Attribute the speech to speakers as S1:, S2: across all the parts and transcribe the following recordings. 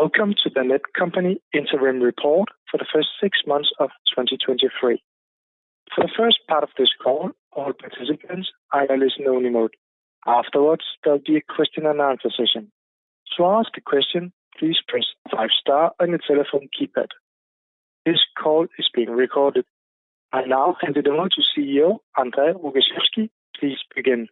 S1: Welcome to the Netcompany Interim Report for the first six months of 2023. For the first part of this call, all participants are in listen-only mode. Afterwards, there'll be a question and answer session. To ask a question, please Press Star five on your telephone keypad. This call is being recorded. I now hand it over to CEO, André Rogaczewski. Please begin.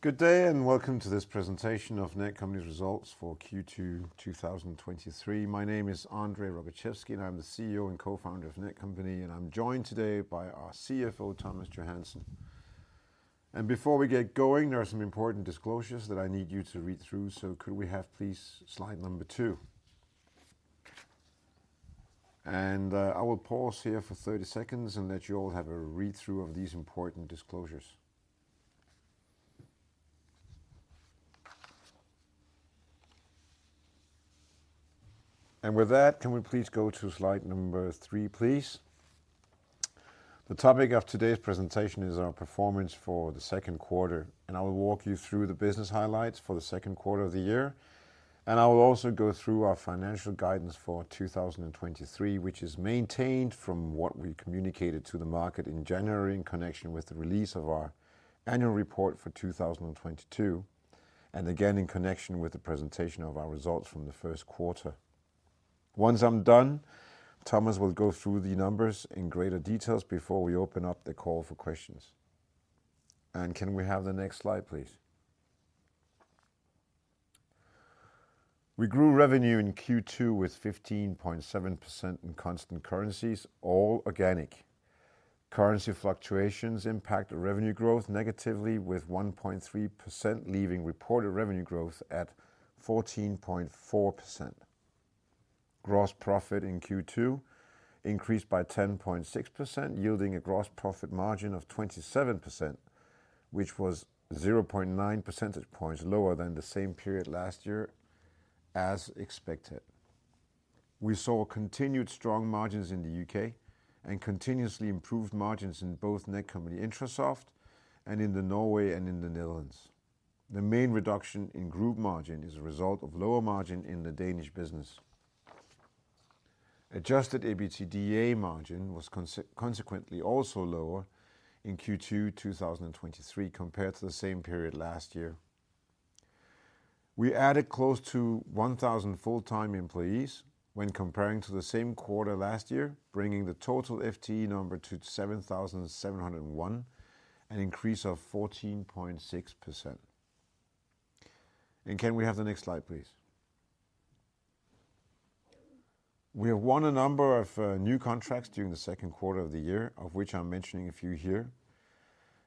S2: Good day, welcome to this presentation of Netcompany's results for Q2 2023. My name is André Rogaczewski, I'm the CEO and co-founder of Netcompany, and I'm joined today by our CFO, Thomas Johansen. Before we get going, there are some important disclosures that I need you to read through. Could we have please, slide number two? I will pause here for 30 seconds and let you all have a read-through of these important disclosures. With that, can we please go to slide number three, please? The topic of today's presentation is our performance for the second quarter, and I will walk you through the business highlights for the second quarter of the year. I will also go through our financial guidance for 2023, which is maintained from what we communicated to the market in January, in connection with the release of our annual report for 2022, and again, in connection with the presentation of our results from the first quarter. Once I'm done, Thomas will go through the numbers in greater details before we open up the call for questions. Can we have the next slide, please? We grew revenue in Q2 with 15.7% in constant currencies, all organic. Currency fluctuations impacted revenue growth negatively, with 1.3% leaving reported revenue growth at 14.4%. Gross profit in Q2 increased by 10.6%, yielding a gross profit margin of 27%, which was 0.9 percentage points lower than the same period last year as expected. We saw continued strong margins in the U.K. and continuously improved margins in both Netcompany-Intrasoft and in Norway and in the Netherlands. The main reduction in group margin is a result of lower margin in the Danish business. Adjusted EBITDA margin was consequently also lower in Q2 2023 compared to the same period last year. We added close to 1,000 full-time employees when comparing to the same quarter last year, bringing the total FTE number to 7,701, an increase of 14.6%. Can we have the next slide, please? We have won a number of new contracts during the second quarter of the year, of which I'm mentioning a few here.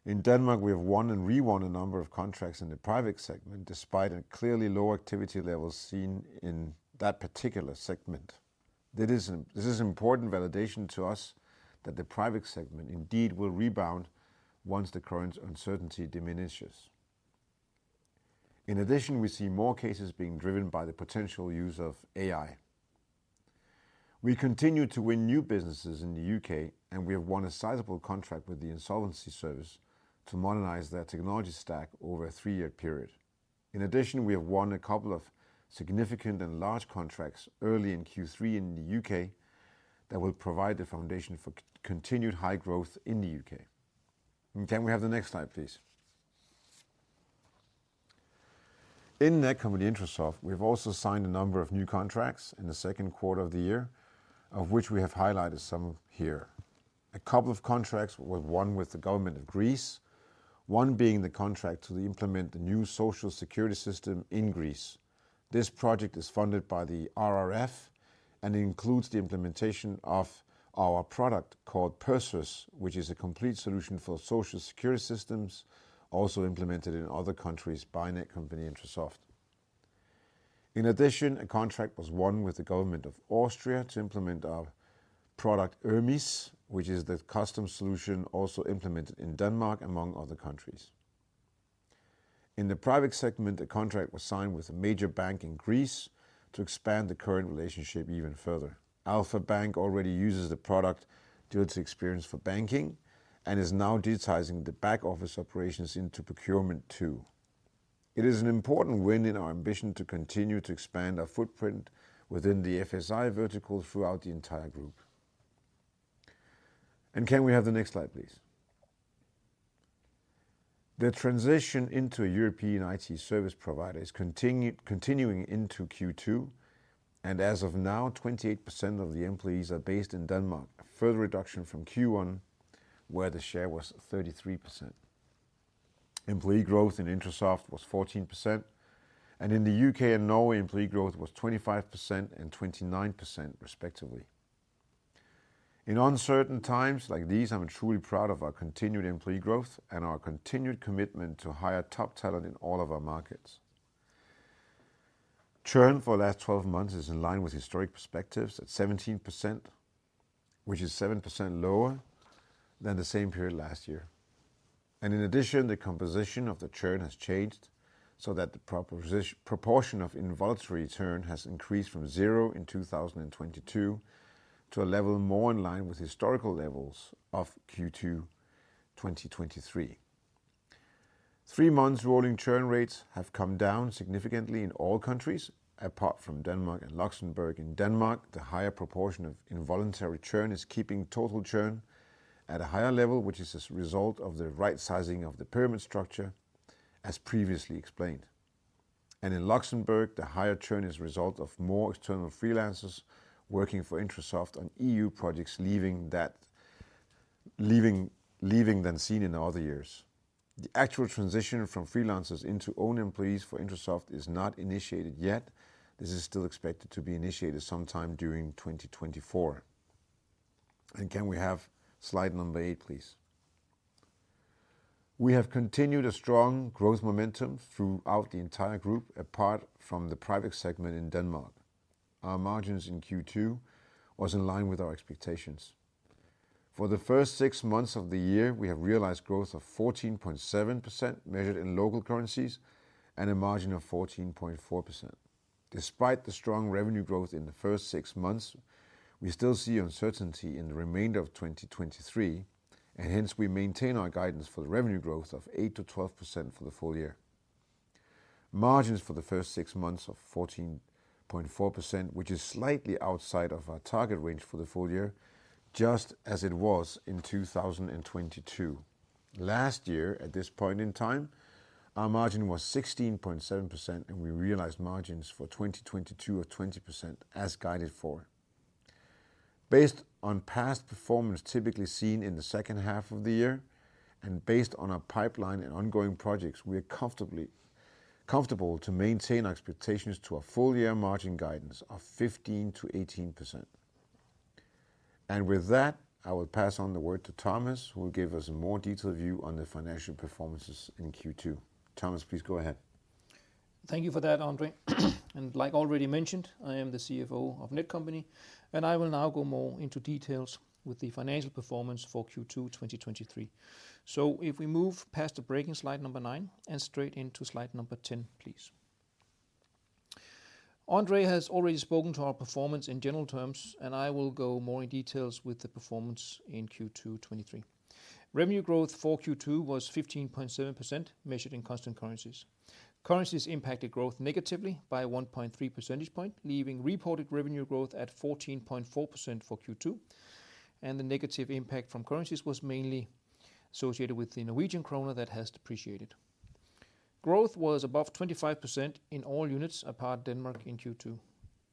S2: In Denmark, we have won and re-won a number of contracts in the private segment, despite a clearly low activity level seen in that particular segment. This is important validation to us that the private segment indeed will rebound once the current uncertainty diminishes. In addition, we see more cases being driven by the potential use of AI. We continue to win new businesses in the U.K. and we have won a sizable contract with the Insolvency Service to modernize their technology stack over a three-year period. In addition, we have won a couple of significant and large contracts early in Q3 in the U.K. that will provide the foundation for continued high growth in the U.K. Can we have the next slide, please? In Netcompany-Intrasoft, we've also signed a number of new contracts in the second quarter of the year, of which we have highlighted some here. A couple of contracts were won with the government of Greece, one being the contract to implement the new social security system in Greece. This project is funded by the RRF and includes the implementation of our product called PERSEUS, which is a complete solution for social security systems, also implemented in other countries by Netcompany-Intrasoft. A contract was won with the government of Austria to implement our product, ERMIS, which is the custom solution also implemented in Denmark, among other countries. In the private segment, a contract was signed with a major bank in Greece to expand the current relationship even further. Alpha Bank already uses the product due to its experience for banking and is now digitizing the back-office operations into procurement, too. It is an important win in our ambition to continue to expand our footprint within the FSI vertical throughout the entire group. Can we have the next slide, please? The transition into a European IT service provider is continuing into Q2, and as of now, 28% of the employees are based in Denmark, a further reduction from Q1, where the share was 33%. Employee growth in Intrasoft was 14%, and in the U.K. and Norway, employee growth was 25% and 29% respectively. In uncertain times like these, I'm truly proud of our continued employee growth and our continued commitment to hire top talent in all of our markets. Churn for the last 12 months is in line with historic perspectives at 17%, which is 7% lower than the same period last year. In addition, the composition of the churn has changed so that the proportion of involuntary churn has increased from 0 in 2022 to a level more in line with historical levels of Q2 2023. three months rolling churn rates have come down significantly in all countries, apart from Denmark and Luxembourg. In Denmark, the higher proportion of involuntary churn is keeping total churn at a higher level, which is as a result of the right sizing of the pyramid structure, as previously explained. In Luxembourg, the higher churn is a result of more external freelancers working for Intrasoft on EU projects, leaving than seen in other years. The actual transition from freelancers into own employees for Intrasoft is not initiated yet. This is still expected to be initiated sometime during 2024. Can we have slide number eight, please? We have continued a strong growth momentum throughout the entire group, apart from the private segment in Denmark. Our margins in Q2 was in line with our expectations. For the first six months of the year, we have realized growth of 14.7%, measured in local currencies, and a margin of 14.4%. Despite the strong revenue growth in the first six months, we still see uncertainty in the remainder of 2023, and hence we maintain our guidance for the revenue growth of 8%-12% for the full year. Margins for the first six months of 14.4%, which is slightly outside of our target range for the full year, just as it was in 2022. Last year, at this point in time, our margin was 16.7%, and we realized margins for 2022 of 20% as guided for. Based on past performance typically seen in the second half of the year, and based on our pipeline and ongoing projects, we are comfortable to maintain our expectations to a full year margin guidance of 15%-18%. With that, I will pass on the word to Thomas, who will give us a more detailed view on the financial performances in Q2. Thomas, please go ahead.
S3: Thank you for that, André. Like already mentioned, I am the CFO of Netcompany, and I will now go more into details with the financial performance for Q2, 2023. If we move past the breaking slide nine and straight into slide 10, please. André has already spoken to our performance in general terms, and I will go more in details with the performance in Q2, 2023. Revenue growth for Q2 was 15.7%, measured in constant currencies. Currencies impacted growth negatively by 1.3 percentage points, leaving reported revenue growth at 14.4% for Q2, and the negative impact from currencies was mainly associated with the Norwegian kroner that has depreciated. Growth was above 25% in all units apart Denmark in Q2.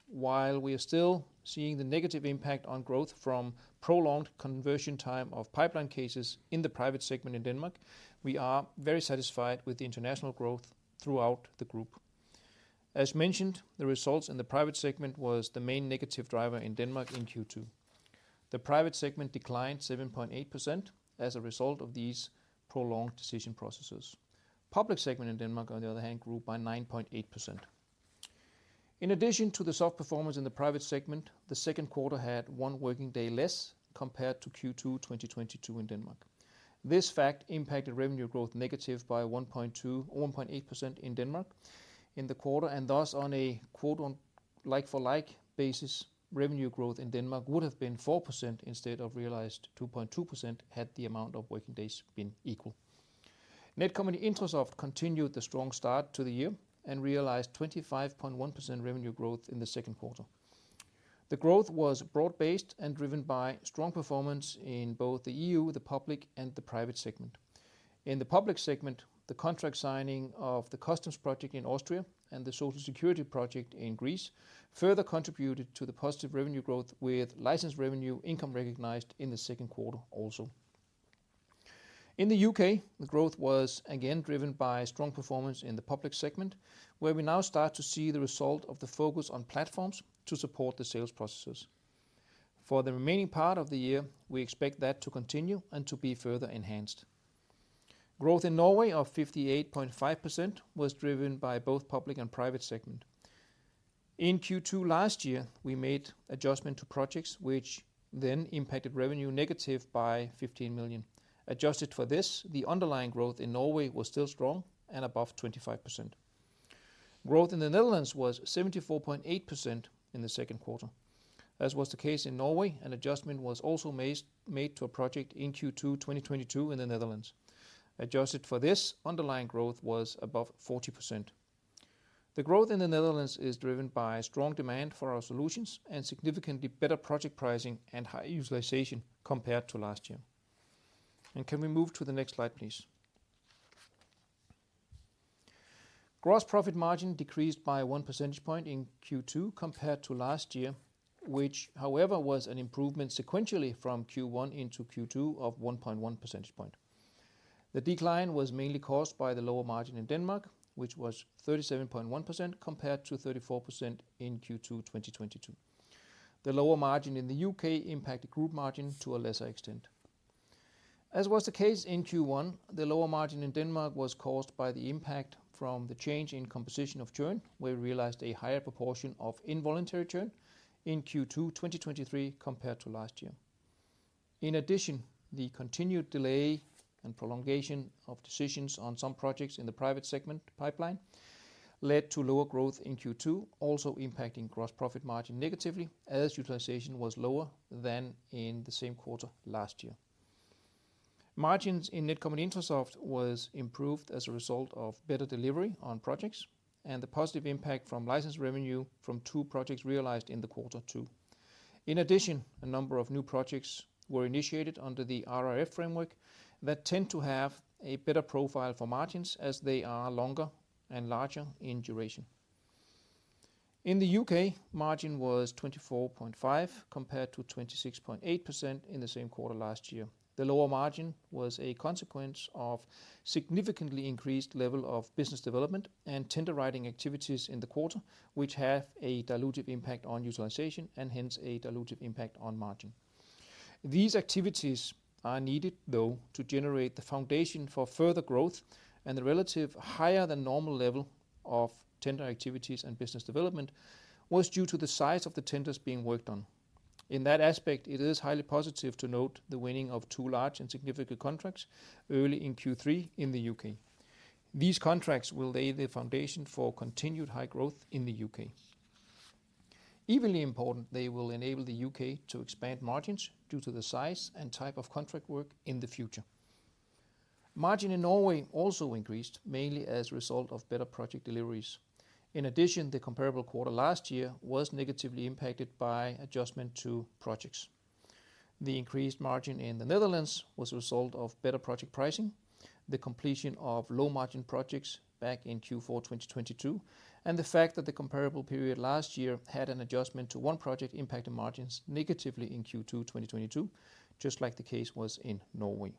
S3: While we are still seeing the negative impact on growth from prolonged conversion time of pipeline cases in the private segment in Denmark, we are very satisfied with the international growth throughout the group. As mentioned, the results in the private segment was the main negative driver in Denmark in Q2. The private segment declined 7.8% as a result of these prolonged decision processes. Public segment in Denmark, on the other hand, grew by 9.8%. In addition to the soft performance in the private segment, the second quarter had one working day less compared to Q2, 2022 in Denmark. This fact impacted revenue growth negative by 1.2% or 1.8% in Denmark in the quarter, and thus on a quote on like-for-like basis, revenue growth in Denmark would have been 4% instead of realized 2.2%, had the amount of working days been equal. Netcompany-Intrasoft continued the strong start to the year and realized 25.1% revenue growth in the second quarter. The growth was broad-based and driven by strong performance in both the E.U. the public, and the private segment. In the public segment, the contract signing of the customs project in Austria and the Social Security project in Greece further contributed to the positive revenue growth, with licensed revenue income recognized in the second quarter also. In the UK, the growth was again driven by strong performance in the public segment, where we now start to see the result of the focus on platforms to support the sales processes. For the remaining part of the year, we expect that to continue and to be further enhanced. Growth in Norway of 58.5% was driven by both public and private segment. In Q2 last year, we made adjustment to projects which then impacted revenue negative by 15 million. Adjusted for this, the underlying growth in Norway was still strong and above 25%. Growth in the Netherlands was 74.8% in the second quarter. As was the case in Norway, an adjustment was also made to a project in Q2 2022 in the Netherlands. Adjusted for this, underlying growth was above 40%. The growth in the Netherlands is driven by strong demand for our solutions and significantly better project pricing and high utilization compared to last year. Can we move to the next slide, please? Gross profit margin decreased by 1 percentage point in Q2 compared to last year, which however, was an improvement sequentially from Q1 into Q2 of 1.1 percentage point. The decline was mainly caused by the lower margin in Denmark, which was 37.1%, compared to 34% in Q2, 2022. The lower margin in the U.K. impacted group margin to a lesser extent. As was the case in Q1, the lower margin in Denmark was caused by the impact from the change in composition of churn. We realized a higher proportion of involuntary churn in Q2, 2023 compared to last year. In addition, the continued delay and prolongation of decisions on some projects in the private segment pipeline led to lower growth in Q2, also impacting gross profit margin negatively, as utilization was lower than in the same quarter last year. Margins in Netcompany-Intrasoft was improved as a result of better delivery on projects, and the positive impact from licensed revenue from two projects realized in the quarter two. In addition, a number of new projects were initiated under the RRF framework that tend to have a better profile for margins, as they are longer and larger in duration. In the U.K. margin was 24.5, compared to 26.8% in the same quarter last year. The lower margin was a consequence of significantly increased level of business development and tender writing activities in the quarter, which have a dilutive impact on utilization and hence a dilutive impact on margin. These activities are needed, though, to generate the foundation for further growth, and the relative higher-than-normal level of tender activities and business development was due to the size of the tenders being worked on. In that aspect, it is highly positive to note the winning of two large and significant contracts early in Q3 in the U..K. These contracts will lay the foundation for continued high growth in the U.K. Equally important, they will enable the U.K. to expand margins due to the size and type of contract work in the future. Margin in Norway also increased, mainly as a result of better project deliveries. In addition, the comparable quarter last year was negatively impacted by adjustment to projects. The increased margin in the Netherlands was a result of better project pricing, the completion of low-margin projects back in Q4, 2022, and the fact that the comparable period last year had an adjustment to one project impacting margins negatively in Q2, 2022, just like the case was in Norway.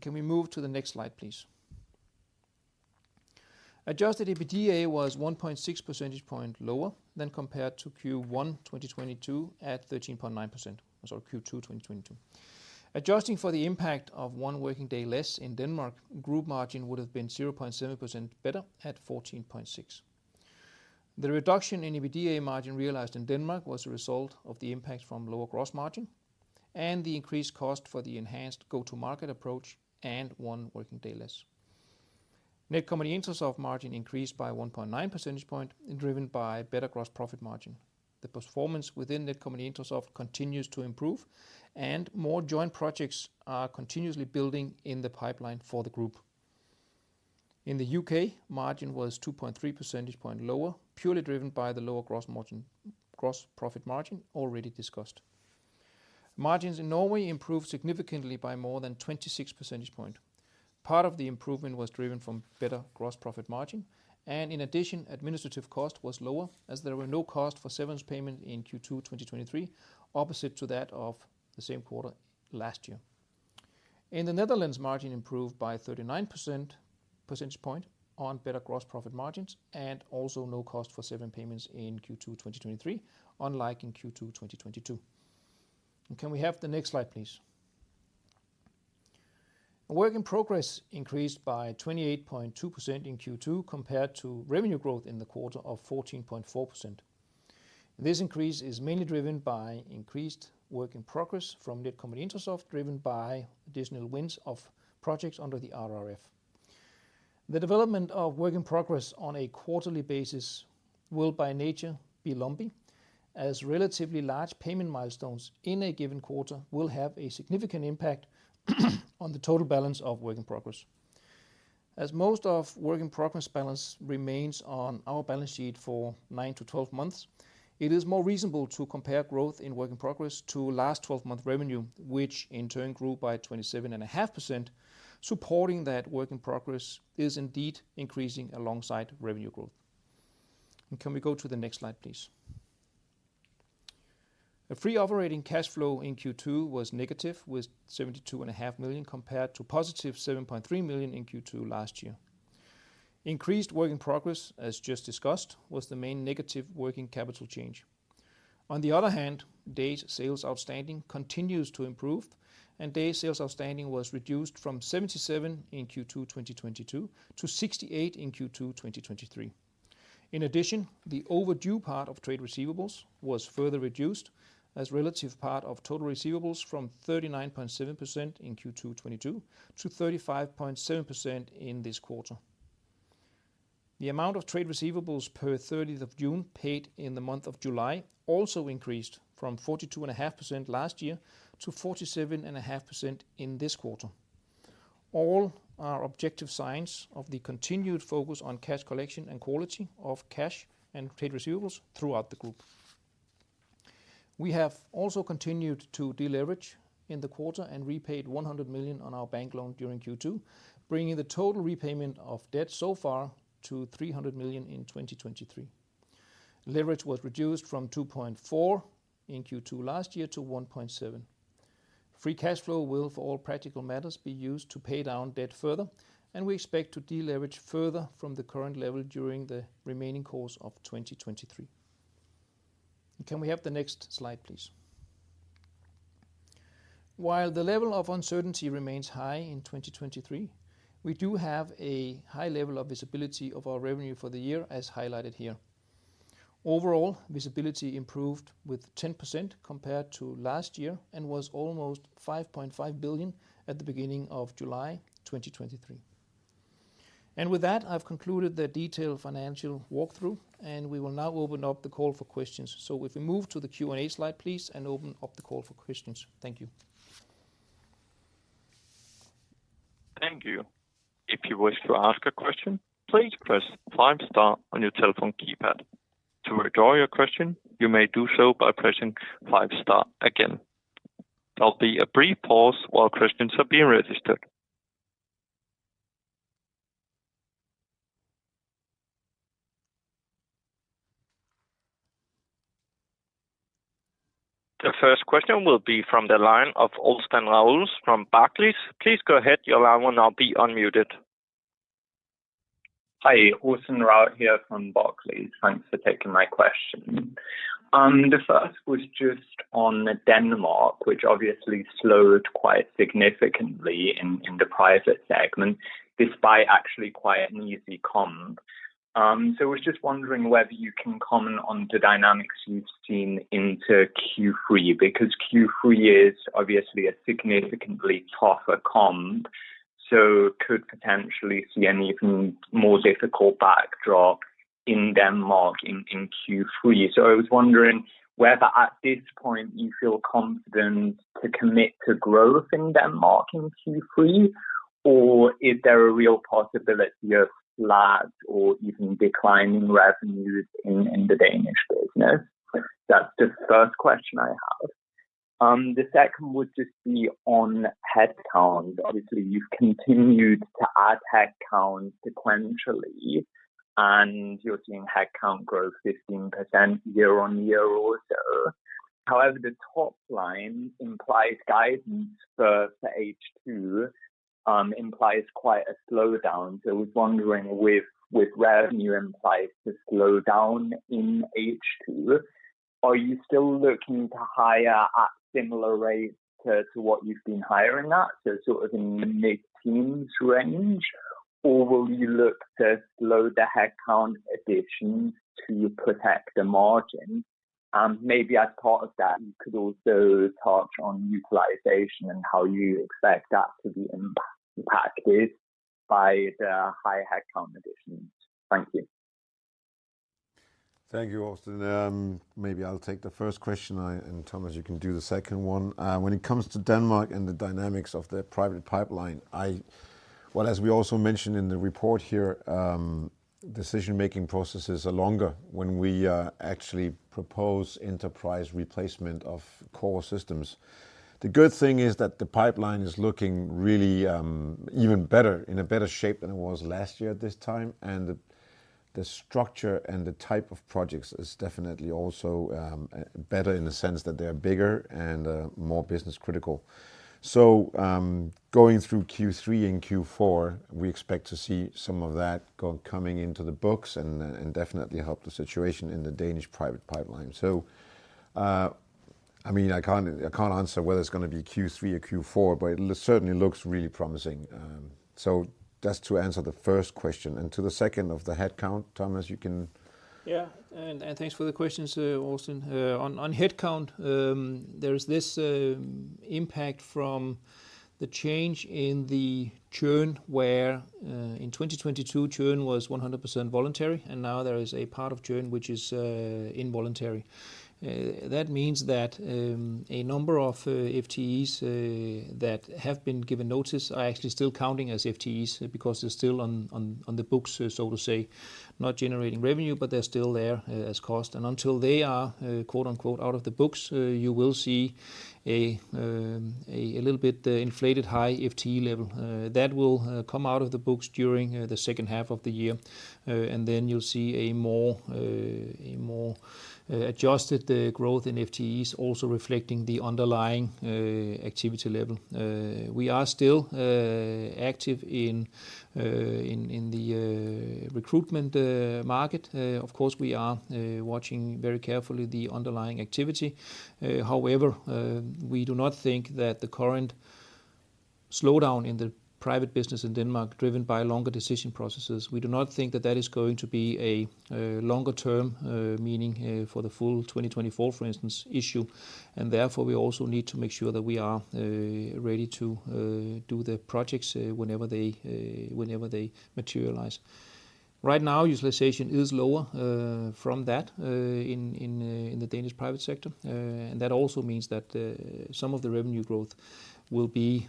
S3: Can we move to the next slide, please? Adjusted EBITDA was 1.6 percentage point lower than compared to Q1, 2022, at 13.9%, sorry, Q2, 2022. Adjusting for the impact of one working day less in Denmark, group margin would have been 0.7% better at 14.6%. The reduction in EBITDA margin realized in Denmark was a result of the impact from lower gross margin and the increased cost for the enhanced go-to-market approach and one working day less. Netcompany-Intrasoft margin increased by 1.9 percentage point, driven by better gross profit margin. The performance within Netcompany-Intrasoft continues to improve, and more joint projects are continuously building in the pipeline for the group. In the U.K. margin was 2.3% point lower, purely driven by the lower gross profit margin already discussed. Margins in Norway improved significantly by more than 26% point. Part of the improvement was driven from better gross profit margin, and in addition, administrative cost was lower, as there were no cost for severance payment in Q2, 2023, opposite to that of the same quarter last year. In the Netherlands, margin improved by 39% point on better gross profit margins and also no cost for severance payments in Q2 2023, unlike in Q2 2022. Can we have the next slide, please? Work in progress increased by 28.2% in Q2, compared to revenue growth in the quarter of 14.4%. This increase is mainly driven by increased work in progress from Netcompany-Intrasoft, driven by additional wins of projects under the RRF. The development of work in progress on a quarterly basis will by nature be lumpy, as relatively large payment milestones in a given quarter will have a significant impact, on the total balance of work in progress. As most of work in progress balance remains on our balance sheet for 9-12 months, it is more reasonable to compare growth in work in progress to last twelve-month revenue, which in turn grew by 27.5%, supporting that work in progress is indeed increasing alongside revenue growth. Can we go to the next slide, please? The free operating cash flow in Q2 was negative, with 72.5 million, compared to positive 7.3 million in Q2 last year. Increased work in progress, as just discussed, was the main negative working capital change. On the other hand, days sales outstanding continues to improve, days sales outstanding was reduced from 77 in Q2, 2022, to 68 in Q2, 2023. The overdue part of trade receivables was further reduced as relative part of total receivables from 39.7% in Q2 2022 to 35.7% in this quarter. The amount of trade receivables per 30th of June, paid in the month of July, also increased from 42.5% last year to 47.5% in this quarter. All are objective signs of the continued focus on cash collection and quality of cash and trade receivables throughout the group. We have also continued to deleverage in the quarter and repaid 100 million on our bank loan during Q2, bringing the total repayment of debt so far to 300 million in 2023. Leverage was reduced from 2.4 in Q2 last year to 1.7. Free cash flow will, for all practical matters, be used to pay down debt further, and we expect to deleverage further from the current level during the remaining course of 2023. Can we have the next slide, please? While the level of uncertainty remains high in 2023, we do have a high level of visibility of our revenue for the year, as highlighted here Overall, visibility improved with 10% compared to last year and was almost 5.5 billion at the beginning of July 2023. With that, I've concluded the detailed financial walkthrough, and we will now open up the call for questions. If we move to the Q&A slide, please, and open up the call for questions. Thank you.
S1: Thank you. If you wish to ask a question, please Press Star on your telephone keypad. To withdraw your question, you may do so by pressing five star again. There'll be a brief pause while questions are being registered. The first question will be from the line of Austin Raikes from Barclays. Please go ahead. Your line will now be unmuted.
S4: Hi, Austin Raikes here from Barclays. Thanks for taking my question. The first was just on Denmark, which obviously slowed quite significantly in, in the private segment, despite actually quite an easy comp. I was just wondering whether you can comment on the dynamics you've seen into Q3, because Q3 is obviously a significantly tougher comp, so could potentially see an even more difficult backdrop in Denmark in, in Q3. I was wondering whether at this point you feel confident to commit to growth in Denmark in Q3, or is there a real possibility of flat or even declining revenues in, in the Danish business? That's the first question I have. The second would just be on headcount. Obviously, you've continued to add headcount sequentially, and you're seeing headcount grow 15% year-on-year or so. However, the top line implies guidance for H2, implies quite a slowdown. I was wondering with, with revenue implies the slowdown in H2, are you still looking to hire at similar rates to what you've been hiring at, so sort of in the mid-teens range? Or will you look to slow the headcount addition to protect the margin? Maybe as part of that, you could also touch on utilization and how you expect that to be impacted by the high headcount additions. Thank you.
S2: Thank you, Austin. Maybe I'll take the first question. Thomas, you can do the second one. When it comes to Denmark and the dynamics of the private pipeline, well, as we also mentioned in the report here, decision-making processes are longer when we actually propose enterprise replacement of core systems. The good thing is that the pipeline is looking really even better, in a better shape than it was last year at this time, and the structure and the type of projects is definitely also better in the sense that they're bigger and more business critical. Going through Q3 and Q4, we expect to see some of that coming into the books and definitely help the situation in the Danish private pipeline. I mean, I can't, I can't answer whether it's gonna be Q3 or Q4, but it certainly looks really promising. That's to answer the first question. To the second of the headcount, Thomas, you can
S3: Yeah, and, and thanks for the questions, Austin. On, on headcount, there is this impact from the change in the churn, where in 2022, churn was 100% voluntary, and now there is a part of churn which is involuntary. That means that a number of FTEs that have been given notice are actually still counting as FTEs because they're still on, on, on the books, so to say, not generating revenue, but they're still there as cost. Until they are, quote-unquote, out of the books, you will see a little bit inflated high FTE level. That will come out of the books during the second half of the year. Then you'll see a more, a more, adjusted, growth in FTEs, also reflecting the underlying, activity level. We are still, active in, in, in the, recruitment, market. Of course, we are, watching very carefully the underlying activity. However, we do not think that the current slowdown in the private business in Denmark, driven by longer decision processes, we do not think that that is going to be a, longer term, meaning, for the full 2024, for instance, issue. Therefore, we also need to make sure that we are, ready to, do the projects, whenever they, whenever they materialize. Right now, utilization is lower, from that, in, in, in the Danish private sector. That also means that some of the revenue growth will be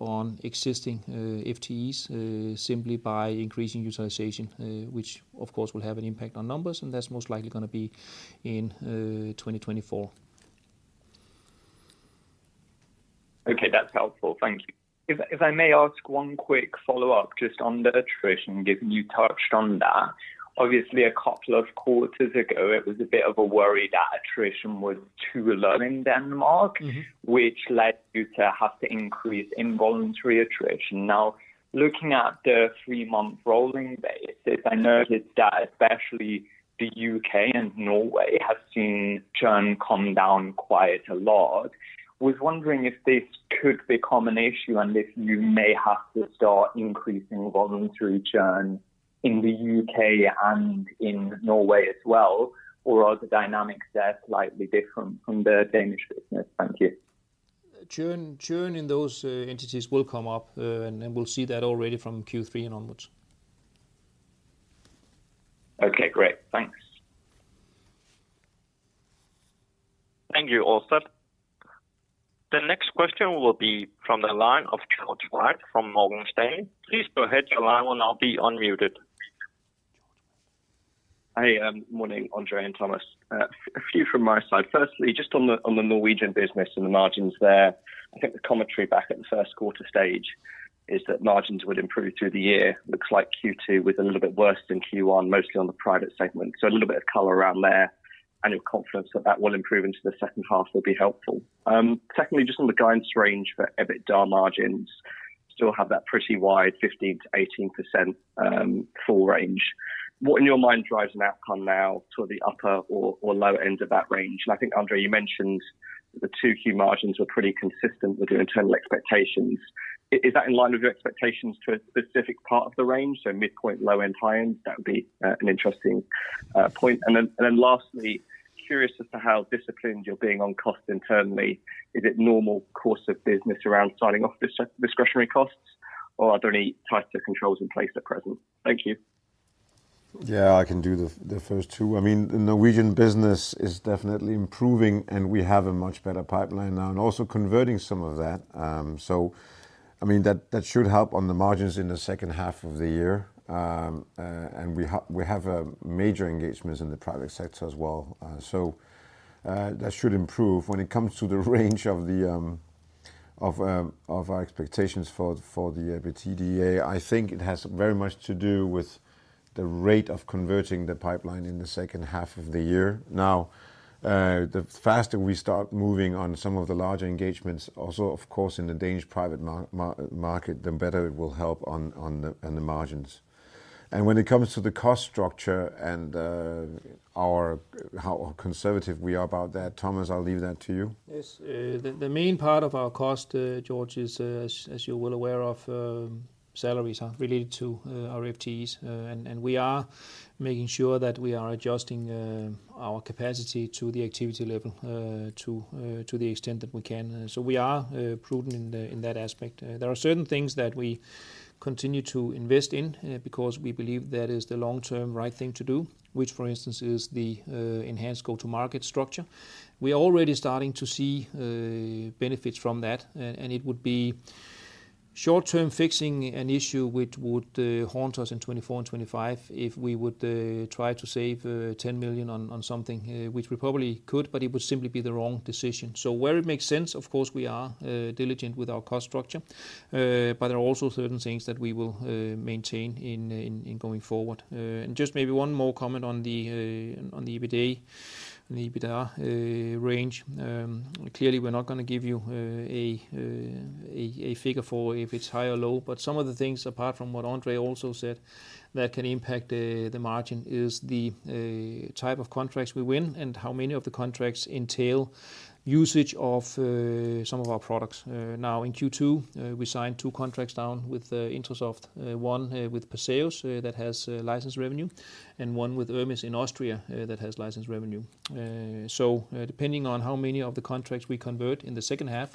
S3: on existing FTEs, simply by increasing utilization, which of course will have an impact on numbers, and that's most likely gonna be in 2024.
S4: Okay, that's helpful. Thank you. If I may ask one quick follow-up just on the attrition, given you touched on that. Obviously, a couple of quarters ago, it was a bit of a worry that attrition was too low in Denmark-
S3: Mm-hmm
S4: which led you to have to increase involuntary attrition. Now, looking at the three-month rolling basis, I noticed that especially the U.K. and Norway have seen churn come down quite a lot. Was wondering if this could become an issue and if you may have to start increasing voluntary churn in the U.K. and in Norway as well, or are the dynamics there slightly different from the Danish business? Thank you.
S3: churn, churn in those entities will come up, and then we'll see that already from Q3 and onwards.
S4: Okay, great. Thanks.
S1: Thank you, Ulf. The next question will be from the line of George Treves from Morgan Stanley. Please go ahead, your line will now be unmuted.
S5: Hey, morning, Andre and Thomas. A few from my side. Firstly, just on the, on the Norwegian business and the margins there. I think the commentary back at the first quarter stage is that margins would improve through the year. Looks like Q2 was a little bit worse than Q1, mostly on the private segment. A little bit of color around there, and your confidence that that will improve into the second half will be helpful. Secondly, just on the guidance range for EBITDA margins, still have that pretty wide, 15%-18%, full range. What in your mind drives an outcome now to the upper or, or lower end of that range? I think, Andre, you mentioned the 2 Q margins were pretty consistent with your internal expectations. Is that in line with your expectations to a specific part of the range, so midpoint, low end, high end? That would be an interesting point. Lastly, curious as to how disciplined you're being on cost internally. Is it normal course of business around signing off discretionary costs? Or are there any tighter controls in place at present? Thank you.
S2: Yeah, I can do the, the first two. I mean, the Norwegian business is definitely improving, and we have a much better pipeline now, and also converting some of that. I mean, that, that should help on the margins in the second half of the year. We have major engagements in the private sector as well. That should improve. When it comes to the range of the, of, of our expectations for, for the EBITDA, I think it has very much to do with the rate of converting the pipeline in the second half of the year. Now, the faster we start moving on some of the larger engagements, also, of course, in the Danish private market, the better it will help on, on the, on the margins. When it comes to the cost structure and, our how conservative we are about that, Thomas, I'll leave that to you.
S3: Yes. The main part of our cost, George, is, as, as you're well aware of, salaries are related to our FTEs. We are making sure that we are adjusting our capacity to the activity level to the extent that we can. We are prudent in that aspect. There are certain things that we continue to invest in because we believe that is the long-term right thing to do, which, for instance, is the enhanced go-to-market structure. We are already starting to see benefits from that. It would be short-term fixing an issue which would haunt us in 2024 and 2025 if we would try to save 10 million on something, which we probably could, but it would simply be the wrong decision. Where it makes sense, of course, we are diligent with our cost structure. There are also certain things that we will maintain in going forward. Just maybe one more comment on the EBITDA range. Clearly, we're not gonna give you a figure for if it's high or low, but some of the things, apart from what André also said, that can impact the margin is the type of contracts we win and how many of the contracts entail usage of some of our products. Now, in Q2, we signed two contracts down with Intrasoft, one with PERSEUS that has license revenue, and one with ERMIS in Austria that has license revenue. Depending on how many of the contracts we convert in the second half,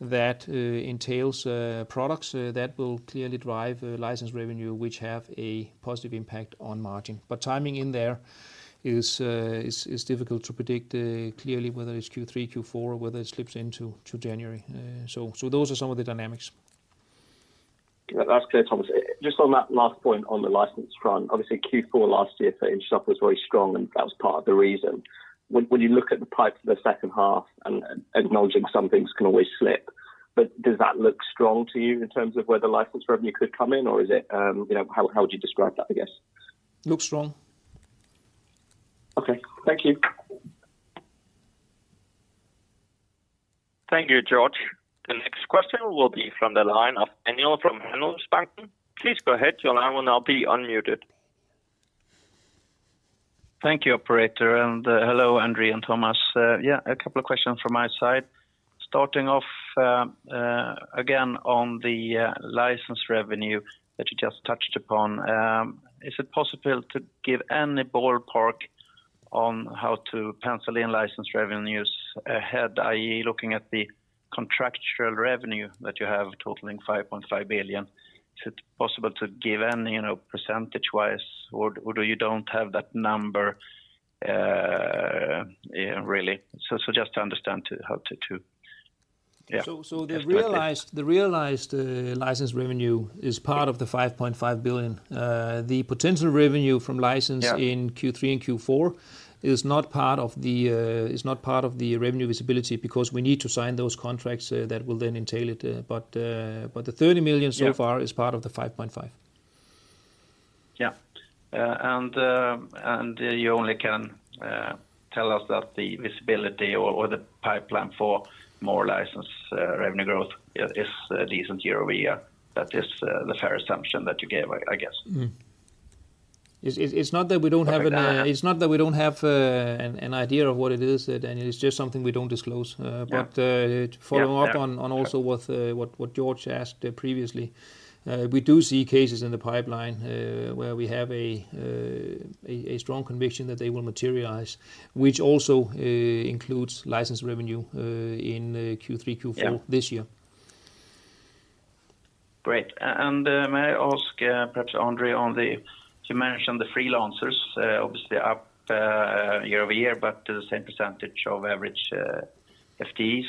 S3: that entails products that will clearly drive license revenue, which have a positive impact on margin. But timing in there is difficult to predict, clearly whether it's Q3, Q4, or whether it slips into January. So those are some of the dynamics.
S5: That's clear, Thomas. Just on that last point on the license front, obviously, Q4 last year for Intrasoft was very strong, and that was part of the reason. When, when you look at the pipe for the second half and, and acknowledging some things can always slip, but does that look strong to you in terms of where the license revenue could come in, or is it. You know, how, how would you describe that, I guess?
S3: Looks strong.
S5: Okay. Thank you.
S1: Thank you, George. The next question will be from the line of Daniel from Handelsbanken. Please go ahead. Your line will now be unmuted.
S6: Thank you, operator, and hello, André and Thomas. Yeah, a couple of questions from my side. Starting off, again, on the license revenue that you just touched upon. Is it possible to give any ballpark on how to pencil in license revenues ahead, i.e., looking at the contractual revenue that you have totaling 5.5 billion, is it possible to give any, you know, percentage-wise, or, or you don't have that number, yeah, really? Just understand how to, yeah.
S3: The realized, license revenue is part of the 5.5 billion. The potential revenue from license-
S6: Yeah
S3: in Q3 and Q4 is not part of the, is not part of the revenue visibility because we need to sign those contracts, that will then entail it. But the 30 million so far-
S6: Yeah
S3: is part of the 5.5.
S6: Yeah. You only can tell us that the visibility or, or the pipeline for more license revenue growth is decent year-over-year. That is the fair assumption that you gave, I, I guess.
S3: Mm-hmm. It's, it's, it's not that we don't have an.
S6: Yeah.
S3: It's not that we don't have, an, an idea of what it is, Daniel. It's just something we don't disclose.
S6: Yeah.
S3: But, uh-
S6: Yeah.
S3: To follow up on also what George asked previously, we do see cases in the pipeline, where we have a strong conviction that they will materialize, which also includes license revenue in Q3, Q4.
S6: Yeah...
S3: this year....
S6: Great. A-and may I ask, perhaps André, on the, you mentioned the freelancers, obviously up year-over-year, but the same % of average FTEs.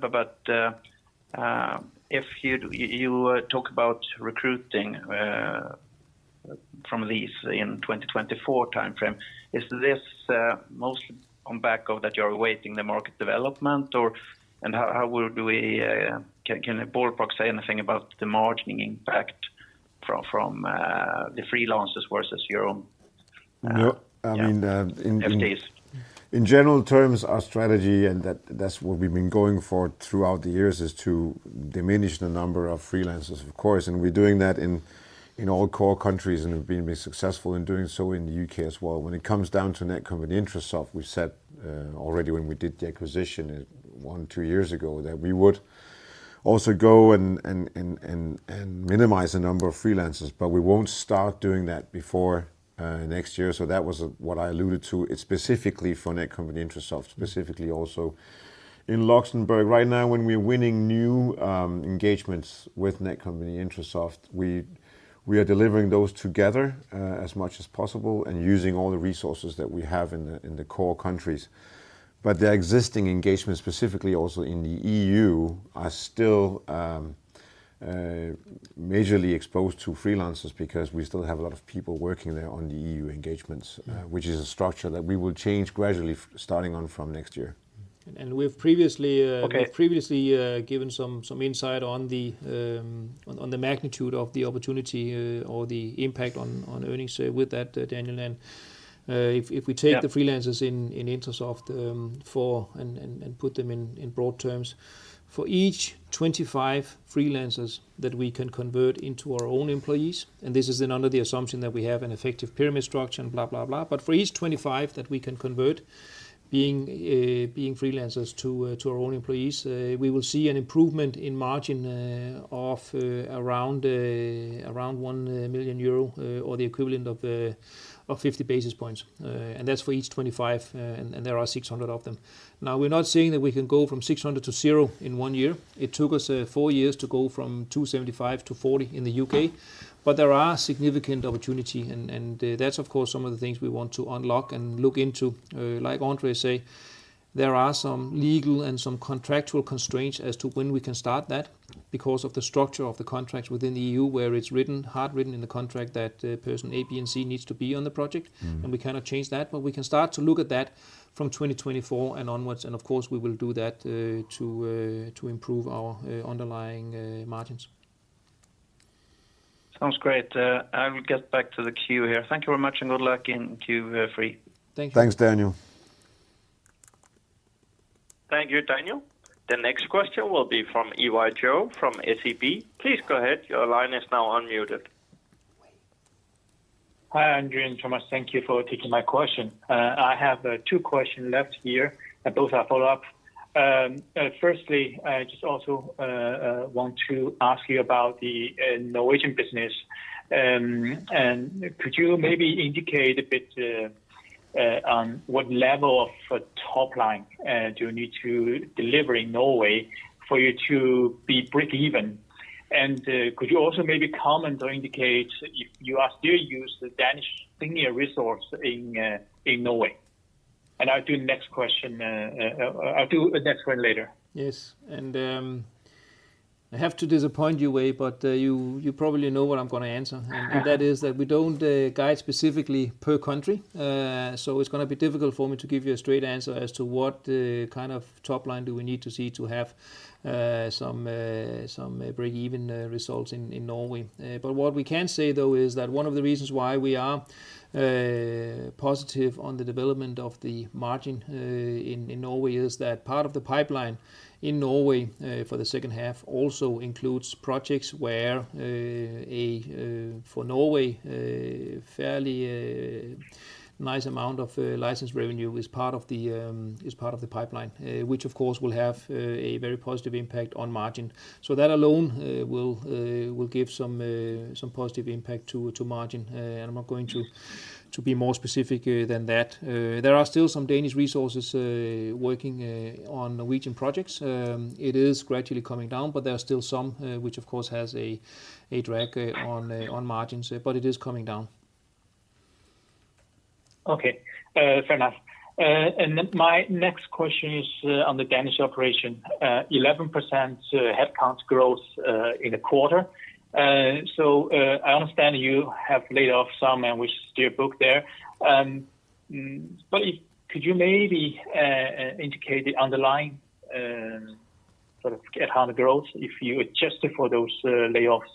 S6: But, but, if you, you, you talk about recruiting from these in 2024 timeframe, is this mostly on back of that you're awaiting the market development or? How, how would we can, can a ballpark say anything about the margining impact from, from the freelancers versus your own?...
S2: No, I mean.
S6: FTEs
S2: In general terms, our strategy, and that, that's what we've been going for throughout the years, is to diminish the number of freelancers, of course. We're doing that in, in all core countries, and we've been very successful in doing so in the U.K. as well. When it comes down to Netcompany Intrasoft, we said already when we did the acquisition, one, two years ago, that we would also go and, and, and, and, and minimize the number of freelancers, but we won't start doing that before next year. That was what I alluded to. It's specifically for Netcompany Intrasoft, specifically also in Luxembourg. Right now, when we're winning new engagements with Netcompany Intrasoft, we, we are delivering those together as much as possible, and using all the resources that we have in the, in the core countries. The existing engagements, specifically also in the E.U. are still, majorly exposed to freelancers because we still have a lot of people working thre on the E.U. engagements.
S6: Mm-hmm
S2: which is a structure that we will change gradually starting on from next year.
S3: we've previously,
S6: Okay
S3: we've previously given some, some insight on the on the magnitude of the opportunity or the impact on, on earnings with that, Daniel. If we take-
S6: Yeah
S3: the freelancers in Intrasoft, for, and, and, and put them in, in broad terms, for each 25 freelancers that we can convert into our own employees, and this is then under the assumption that we have an effective pyramid structure and blah, blah, blah. For each 25 that we can convert, being, being freelancers to, to our own employees, we will see an improvement in margin, of, around, around 1 million euro, or the equivalent of 50 basis points. That's for each 25, and, and there are 600 of them. We're not saying that we can go from 600-0 in one year. It took us four years to go from 275-40 in the U.K. but there are significant opportunity. That's of course, some of the things we want to unlock and look into. Like Andre say, there are some legal and some contractual constraints as to when we can start that, because of the structure of the contracts within the E.U. here it's written, hard written in the contract, that, person A, B, and C needs to be on the project.
S2: Mm-hmm.
S3: We cannot change that, but we can start to look at that from 2024 and onwards. Of course, we will do that to improve our underlying margins.
S6: Sounds great. I will get back to the queue here. Thank you very much, and good luck in Q3.
S3: Thank you.
S2: Thanks, Daniel.
S1: Thank you, Daniel. The next question will be from Yiwei Zhou, from SEB. Please go ahead. Your line is now unmuted.
S7: Hi, André and Thomas. Thank you for taking my question. I have two question left here, both are follow-up. firstly, I just also want to ask you about the Norwegian business. Could you maybe indicate a bit on what level of top line do you need to deliver in Norway for you to be breakeven? Could you also maybe comment or indicate if you are still use the Danish senior resource in Norway? I'll do next question, I'll do the next one later.
S3: Yes. I have to disappoint you, Yi, but, you, you probably know what I'm going to answer.
S7: Mm-hmm.
S3: That is that we don't guide specifically per country. It's going to be difficult for me to give you a straight answer as to what kind of top line do we need to see to have some breakeven results in Norway. What we can say though, is that one of the reasons why we are positive on the development of the margin in Norway, is that part of the pipeline in Norway for the second half, also includes projects where a for Norway, a fairly nice amount of license revenue is part of the is part of the pipeline. Which of course will have a very positive impact on margin. That alone will will give some positive impact to margin. I'm not going to-
S7: Mm-hmm
S3: to be more specific than that. There are still some Danish resources working on Norwegian projects. It is gradually coming down, but there are still some, which of course has a drag on margins, but it is coming down.
S7: Okay, fair enough. My next question is on the Danish operation. 11% headcount growth in the quarter. I understand you have laid off some and which still book there. Could you maybe indicate the underlying sort of at hand growth if you adjusted for those layoffs?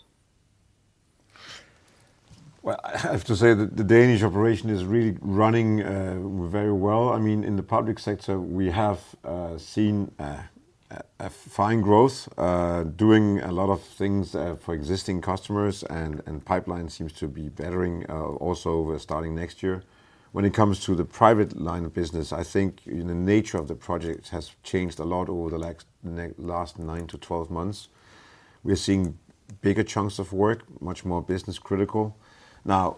S2: Well, I have to say that the Danish operation is really running very well. I mean, in the public sector, we have seen a fine growth, doing a lot of things for existing customers, and pipeline seems to be bettering also starting next year. When it comes to the private line of business, I think the nature of the project has changed a lot over the last 9 to 12 months. We're seeing bigger chunks of work, much more business critical. Now,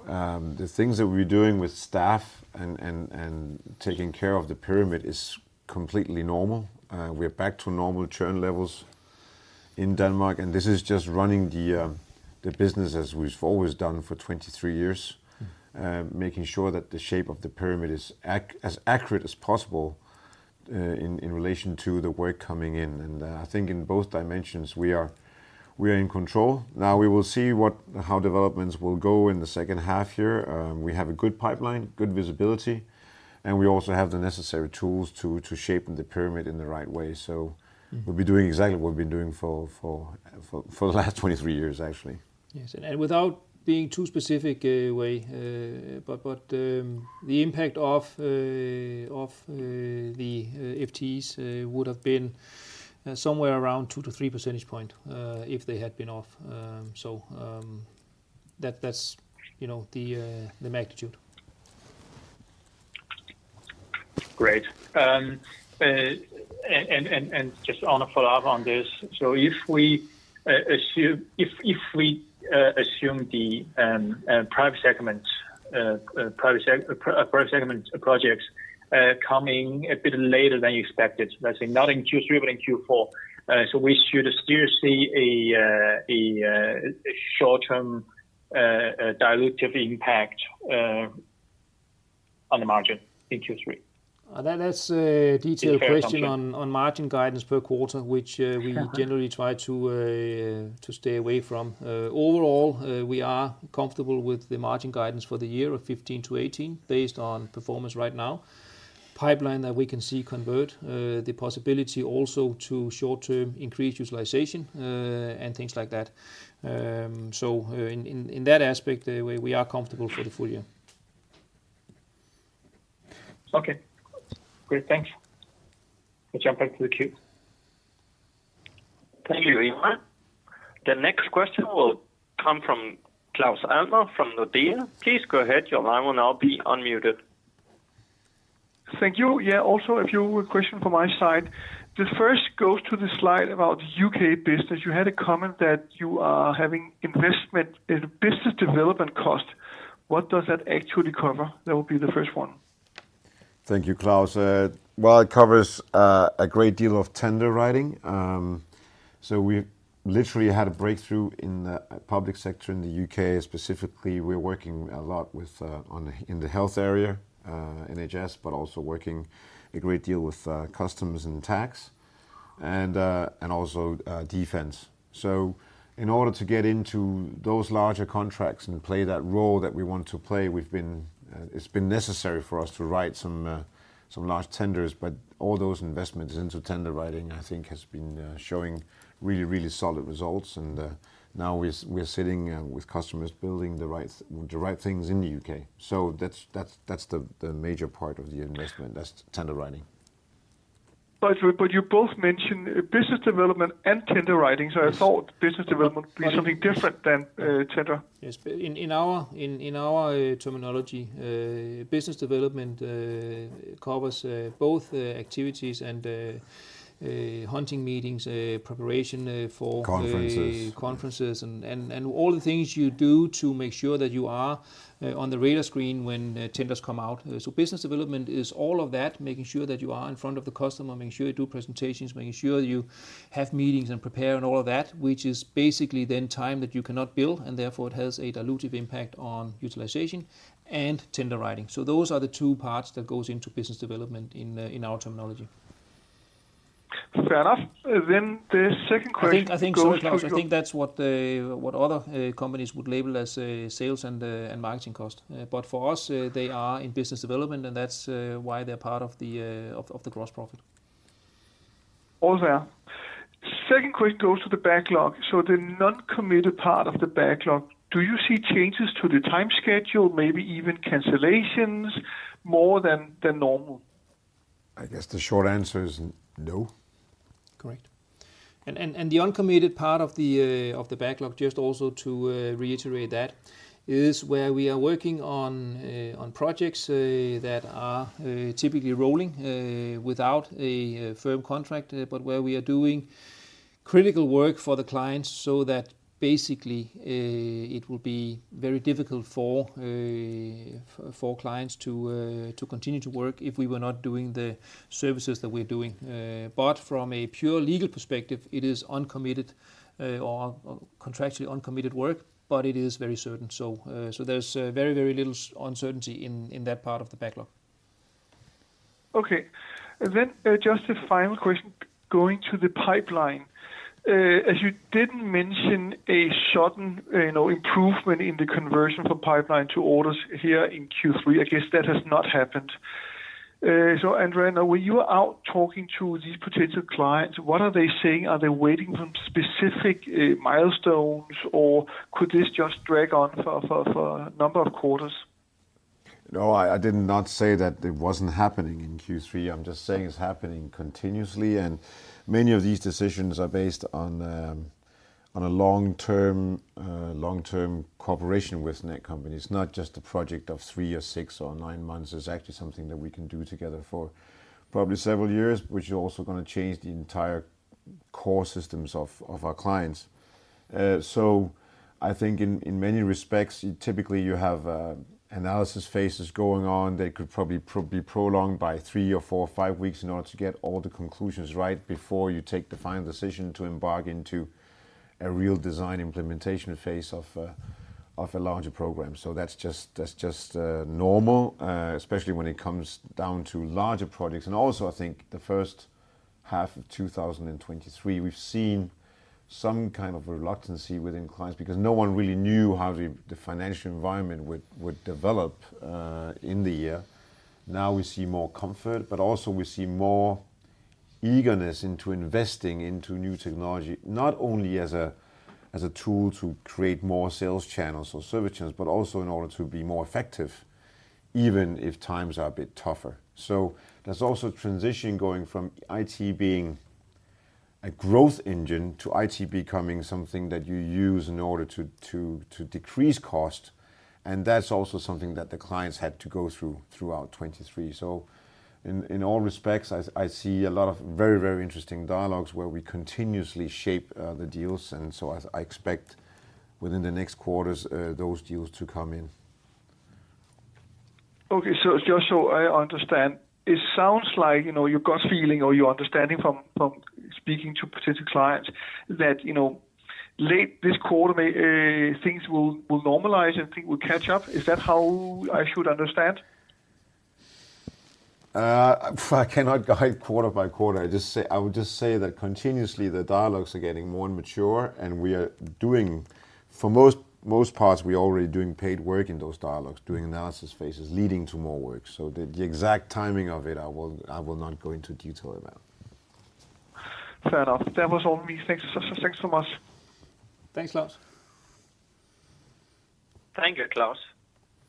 S2: the things that we're doing with staff and, and, and taking care of the pyramid is completely normal. We're back to normal churn levels in Denmark, and this is just running the business as we've always done for 23 years. Making sure that the shape of the pyramid is as accurate as possible in relation to the work coming in. I think in both dimensions, we are in control. Now, we will see how developments will go in the second half year. We have a good pipeline, good visibility, and we also have the necessary tools to shape the pyramid in the right way. We'll be doing exactly what we've been doing for the last 23 years, actually.
S3: Yes, without being too specific, way, but the impact of the FTEs would have been somewhere around 2-3 percentage point if they had been off. That's, you know, the magnitude.
S7: Great. Just on a follow-up on this: if we assume, if we assume the private segment, private segment projects coming a bit later than you expected, let's say not in Q3, but in Q4, we should still see a short-term dilutive impact on the margin in Q3?
S3: That, that's a detailed question.
S7: Sure.
S3: -on, on margin guidance per quarter, which, we generally try to, to stay away from. Overall, we are comfortable with the margin guidance for the year of 15%-18%, based on performance right now. Pipeline that we can see convert, the possibility also to short-term increase utilization, and things like that. In, in, in that aspect, we, we are comfortable for the full year.
S7: Okay. Great, thanks. We'll jump back to the queue.
S1: Thank you, Ivan. The next question will come from Claus Almer, from Nordea. Please go ahead. Your line will now be unmuted.
S8: Thank you. Yeah, also a few question from my side. The first goes to the slide about UK business. You had a comment that you are having investment in business development cost. What does that actually cover? That will be the first one.
S2: Thank you, Klaus. Well, it covers a great deal of tender writing. We literally had a breakthrough in the public sector in the U.K. Specifically, we're working a lot with on the, in the health area, NHS, but also working a great deal with customs and tax, and also defense. In order to get into those larger contracts and play that role that we want to play, we've been. It's been necessary for us to write some large tenders. All those investments into tender writing, I think, has been showing really, really solid results. Now we're, we're sitting with customers, building the right, the right things in the U.K. That's, that's, that's the, the major part of the investment, that's tender writing.
S8: You both mentioned business development and tender writing.
S2: Yes.
S8: I thought business development be something different than, tender.
S3: Yes. In, in our, in, in our terminology, business development covers both activities and hunting meetings, preparation.
S2: Conferences...
S3: conferences and, and, and all the things you do to make sure that you are on the radar screen when tenders come out. Business development is all of that, making sure that you are in front of the customer, making sure you do presentations, making sure you have meetings and prepare and all of that, which is basically then time that you cannot bill. Therefore, it has a dilutive impact on utilization and tender writing. Those are the two parts that goes into business development in our terminology.
S8: Fair enough. The second question.
S3: I think, I think so, Claus. I think that's what other companies would label as sales and marketing cost. But for us, they are in business development, and that's why they're part of the gross profit.
S8: All well. Second question goes to the backlog. The non-committed part of the backlog, do you see changes to the time schedule, maybe even cancellations more than normal?
S2: I guess the short answer is no.
S3: Correct. The uncommitted part of the backlog, just also to reiterate that, is where we are working on projects that are typically rolling without a firm contract, but where we are doing critical work for the clients, so that basically, it would be very difficult for clients to continue to work if we were not doing the services that we're doing. From a pure legal perspective, it is uncommitted or contractually uncommitted work, but it is very certain. There's very, very little uncertainty in that part of the backlog.
S8: Okay. Then, just a final question, going to the pipeline. As you didn't mention a sudden, you know, improvement in the conversion for pipeline to orders here in Q3, I guess that has not happened. Andrea, now, when you are out talking to these potential clients, what are they saying? Are they waiting for specific milestones, or could this just drag on for a number of quarters?
S2: No, I, I did not say that it wasn't happening in Q3. I'm just saying it's happening continuously. Many of these decisions are based on a long-term, long-term cooperation with Netcompany. It's not just a project of three or six or nine months. It's actually something that we can do together for probably several years, which is also gonna change the entire core systems of, of our clients. I think in, in many respects, typically you have analysis phases going on. They could probably be prolonged by three or four or five weeks in order to get all the conclusions right before you take the final decision to embark into a real design implementation phase of a, of a larger program. That's just, that's just normal, especially when it comes down to larger projects. Also, I think the first half of 2023, we've seen some kind of reluctance within clients because no one really knew how the, the financial environment would, would develop in the year. Now we see more comfort, but also we see more eagerness into investing into new technology, not only as a, as a tool to create more sales channels or service channels, but also in order to be more effective, even if times are a bit tougher. There's also a transition going from IT being a growth engine to IT becoming something that you use in order to decrease cost, and that's also something that the clients had to go through throughout 23. In all respects, I, I see a lot of very, very interesting dialogues where we continuously shape the deals. I, I expect within the next quarters, those deals to come in.
S8: Okay, just so I understand, it sounds like, you know, your gut feeling or your understanding from, from speaking to specific clients that, you know, late this quarter may, things will, will normalize and things will catch up. Is that how I should understand?
S2: I cannot guide quarter by quarter. I would just say that continuously the dialogues are getting more mature, and we are doing, for most, most parts, we are already doing paid work in those dialogues, doing analysis phases, leading to more work. The, the exact timing of it, I will, I will not go into detail about.
S8: Fair enough. That was all me. Thanks. Thanks so much.
S3: Thanks, Claus.
S1: Thank you, Claus.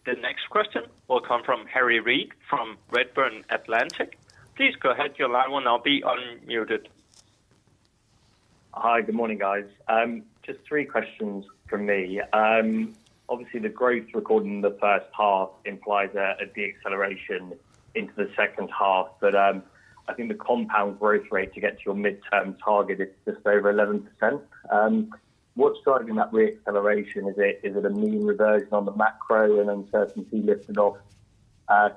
S1: The next question will come from Charles Brennan from Redburn Atlantic. Please go ahead. Your line will now be unmuted.
S9: Hi. Good morning, guys. Just three questions from me. Obviously, the growth recorded in the first half implies a deacceleration into the second half. I think the compound growth rate to get to your midterm target is just over 11%. What's driving that reacceleration? Is it, is it a mean reversion on the macro and uncertainty lifting off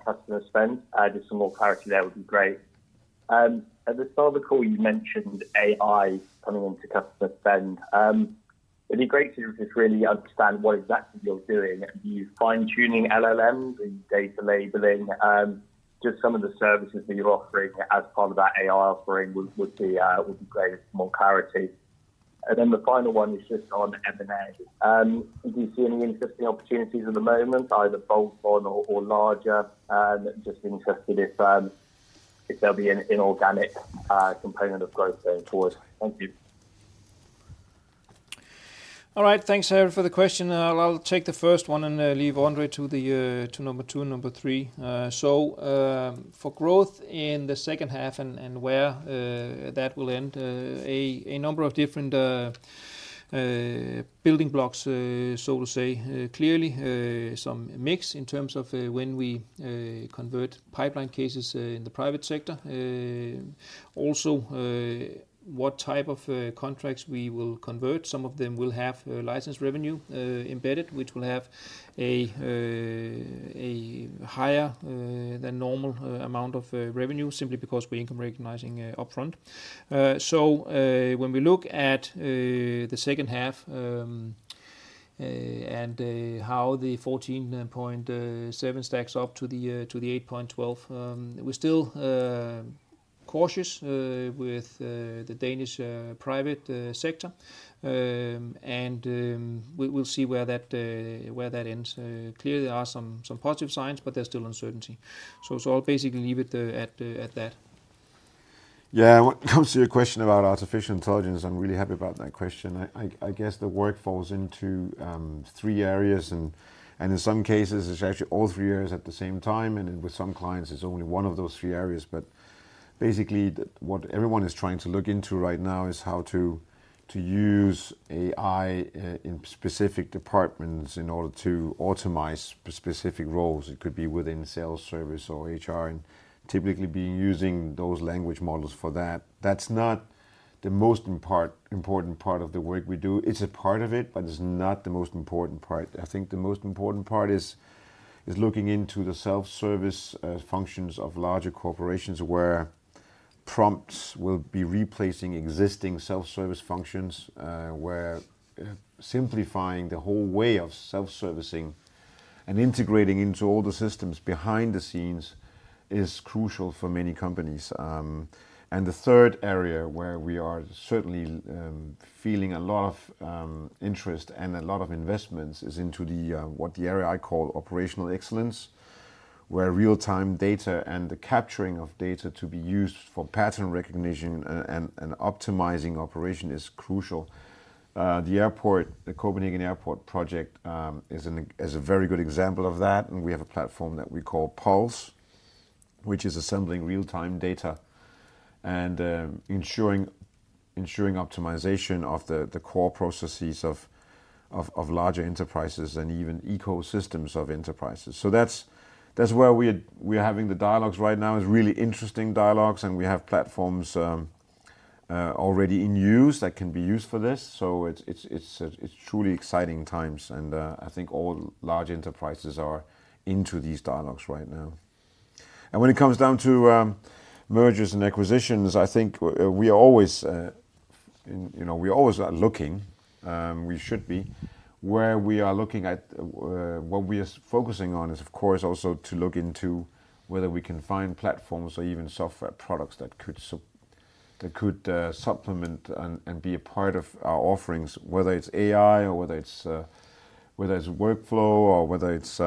S9: customer spend? Just some more clarity there would be great. At the start of the call, you mentioned AI coming on to customer spend. It'd be great to just really understand what exactly you're doing. Are you fine-tuning LLMs and data labeling? Just some of the services that you're offering as part of that AI offering would, would be great. More clarity. The final one is just on M&A. Do you see any interesting opportunities at the moment, either bolt-on or, or larger? Just interested if there'll be an inorganic component of growth going forward. Thank you.
S3: All right. Thanks, Harry, for the question. I'll, I'll take the first one and leave Andre to the to number two and number three. For growth in the second half and where that will end, a number of different building blocks, so to say. Clearly, some mix in terms of when we convert pipeline cases in the private sector. Also, what type of contracts we will convert. Some of them will have license revenue embedded, which will have a higher than normal amount of revenue simply because we're income recognizing upfront. When we look at the second half, and how the 14.7 stacks up to the to the 8.12, we're still cautious with the Danish private sector. We'll see where that ends. Clearly, there are some, some positive signs, but there's still uncertainty. I'll basically leave it at that.
S2: Yeah. When it comes to your question about artificial intelligence, I'm really happy about that question. I, I, I guess the work falls into three areas and, and in some cases, it's actually all three areas at the same time, and with some clients, it's only one of those three areas. Basically, what everyone is trying to look into right now is how to, to use AI in specific departments in order to automize specific roles. It could be within sales, service, or HR, and typically be using those language models for that. That's not the most important part of the work we do. It's a part of it, but it's not the most important part. I think the most important part is, is looking into the self-service functions of larger corporations, where prompts will be replacing existing self-service functions, where simplifying the whole way of self-servicing and integrating into all the systems behind the scenes is crucial for many companies. The third area where we are certainly feeling a lot of interest and a lot of investments is into the what the area I call operational excellence, where real-time data and the capturing of data to be used for pattern recognition and, and optimizing operation is crucial. The airport, the Copenhagen Airport project, is an, is a very good example of that, and we have a platform that we call Pulse, which is assembling real-time data and ensuring, ensuring optimization of the, the core processes of. of, of larger enterprises and even ecosystems of enterprises. That's, that's where we are, we are having the dialogues right now. It's really interesting dialogues, and we have platforms already in use that can be used for this. It's, it's, it's, it's truly exciting times, and I think all large enterprises are into these dialogues right now. When it comes down to mergers and acquisitions, I think we are always, in, you know, we always are looking, we should be. Where we are looking at, what we are focusing on is, of course, also to look into whether we can find platforms or even software products that could that could supplement and, and be a part of our offerings, whether it's AI or whether it's whether it's workflow or whether it's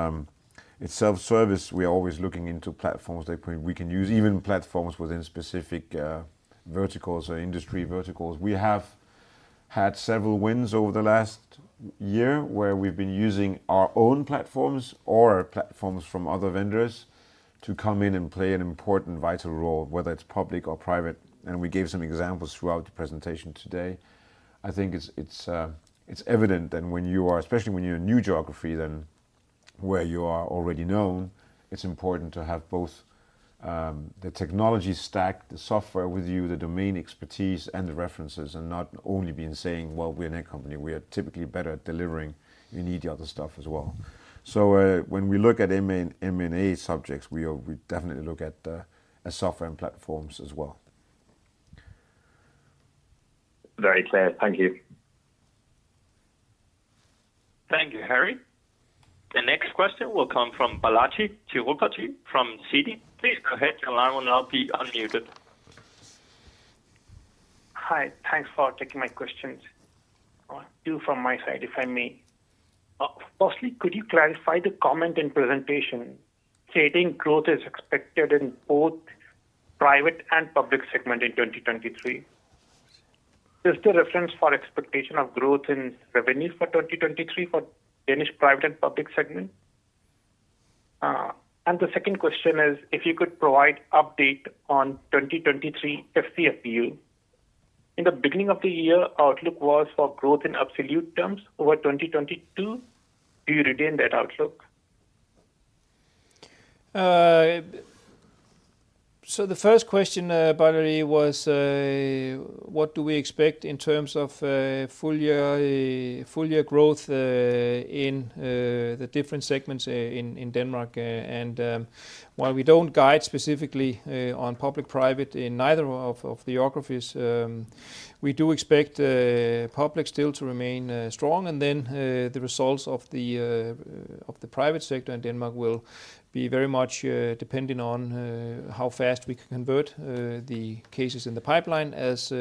S2: self-service. We are always looking into platforms that we, we can use, even platforms within specific verticals or industry verticals. We have had several wins over the last year, where we've been using our own platforms or platforms from other vendors to come in and play an important vital role, whether it's public or private. We gave some examples throughout the presentation today. I think it's, it's evident that when you are... Especially when you're a new geography than where you are already known, it's important to have both the technology stack, the software with you, the domain expertise, and the references, and not only being saying, "Well, we're Netcompany. We are typically better at delivering." You need the other stuff as well. When we look at M&A, M&A subjects, we definitely look at software and platforms as well.
S9: Very clear. Thank you.
S1: Thank you, Harry. The next question will come from Balaji Thupati from Citi. Please go ahead, your line will now be unmuted.
S10: Hi, thanks for taking my questions. two from my side, if I may. firstly, could you clarify the comment and presentation, stating growth is expected in both private and public segment in 2023? Is the reference for expectation of growth in revenue for 2023 for Danish private and public segment? the second question is, if you could provide update on 2023 FCF. In the beginning of the year, outlook was for growth in absolute terms over 2022. Do you retain that outlook?
S3: The first question, Balaji, was, what do we expect in terms of full year, full year growth, in the different segments, in Denmark? While we don't guide specifically on public-private in neither of the geographies, we do expect public still to remain strong. The results of the private sector in Denmark will be very much depending on how fast we can convert the cases in the pipeline, as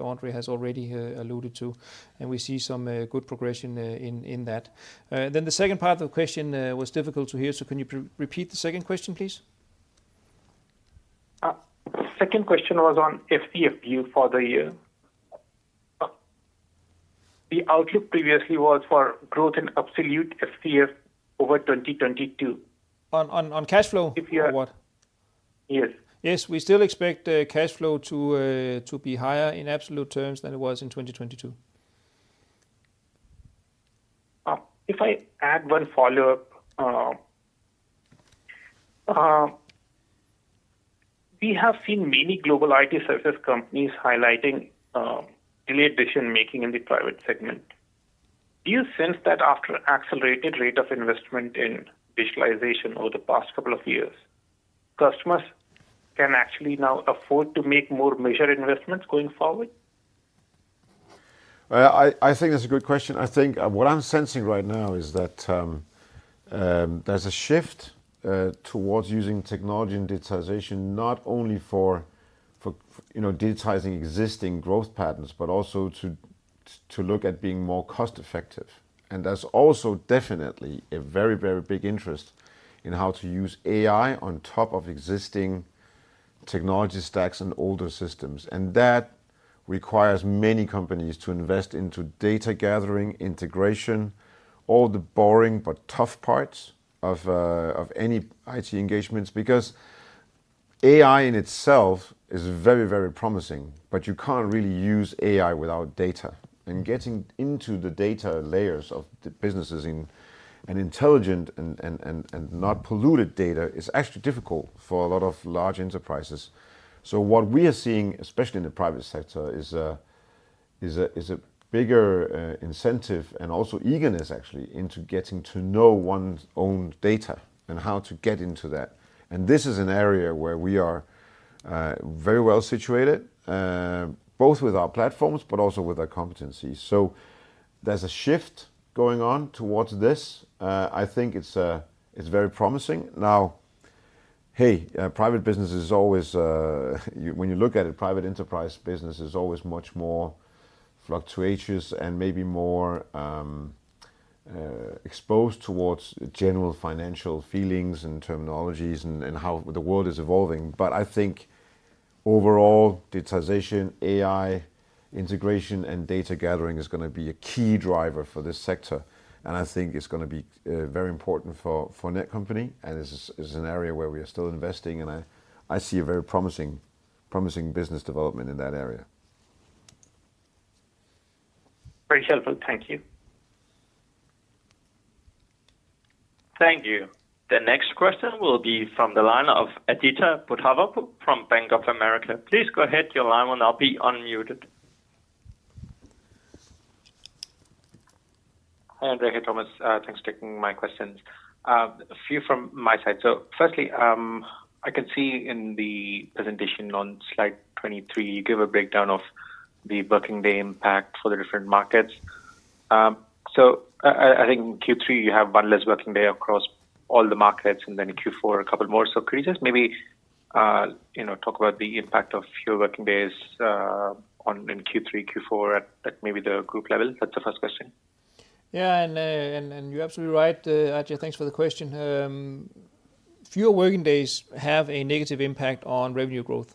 S3: Andre has already alluded to, and we see some good progression in that. The second part of the question was difficult to hear, can you repeat the second question, please?
S10: Second question was on FCF for the year. The outlook previously was for growth in absolute FCF over 2022.
S3: On cash flow-
S10: FCF-
S3: or what?
S10: Yes.
S3: Yes, we still expect cash flow to be higher in absolute terms than it was in 2022.
S10: If I add one follow-up, we have seen many global IT service companies highlighting, delayed decision-making in the private segment. Do you sense that after accelerated rate of investment in digitalization over the past couple of years, customers can actually now afford to make more major investments going forward?
S2: Well, I, I think that's a good question. I think what I'm sensing right now is that there's a shift towards using technology and digitization, not only for, for, you know, digitizing existing growth patterns, but also to, to look at being more cost effective. There's also definitely a very, very big interest in how to use AI on top of existing technology stacks and older systems. That requires many companies to invest into data gathering, integration, all the boring but tough parts of any IT engagements, because AI in itself is very, very promising, but you can't really use AI without data. Getting into the data layers of the businesses in an intelligent and, and, and, and not polluted data is actually difficult for a lot of large enterprises. What we are seeing, especially in the private sector, is a bigger incentive and also eagerness, actually, into getting to know one's own data and how to get into that. This is an area where we are very well situated, both with our platforms, but also with our competencies. There's a shift going on towards this. I think it's very promising. Hey, private business is always, when you look at it, private enterprise business is always much more fluctuatious and maybe more exposed towards general financial feelings and terminologies and, and how the world is evolving. I think overall, digitization, AI, integration, and data gathering is gonna be a key driver for this sector, and I think it's gonna be very important for Netcompany, and this is, this is an area where we are still investing, and I, I see a very promising business development in that area.
S11: Very helpful. Thank you.
S1: Thank you. The next question will be from the line of Aditya Buddhavarapu from Bank of America. Please go ahead, your line will now be unmuted.
S11: Hi, Andrea, Thomas. Thanks for taking my questions. A few from my side. Firstly, I can see in the presentation on slide 23, you give a breakdown of the working day impact for the different markets. I, I, I think in Q3, you have 1 less working day across all the markets, and then in Q4, a couple more. Could you just maybe, you know, talk about the impact of fewer working days, on, in Q3, Q4 at, at maybe the group level? That's the first question.
S3: Yeah, you're absolutely right, Aditya. Thanks for the question. Fewer working days have a negative impact on revenue growth,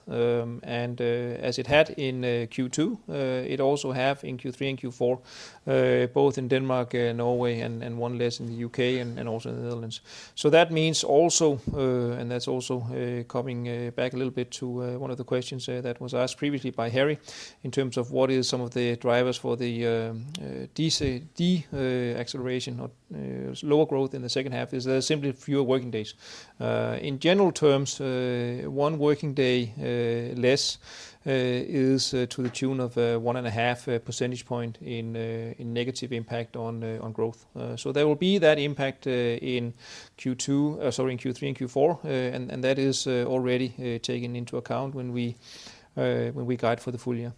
S3: as it had in Q2, it also have in Q3 and Q4, both in Denmark and Norway, and one less in the UK and also in the Netherlands. That means also, and that's also coming back a little bit to one of the questions that was asked previously by Harry, in terms of what is some of the drivers for the acceleration or lower growth in the second half, is there are simply fewer working days. In general terms, one working day less is to the tune of 1.5% point in negative impact on growth. There will be that impact in Q2, sorry, in Q3 and Q4. That is already taken into account when we guide for the full year.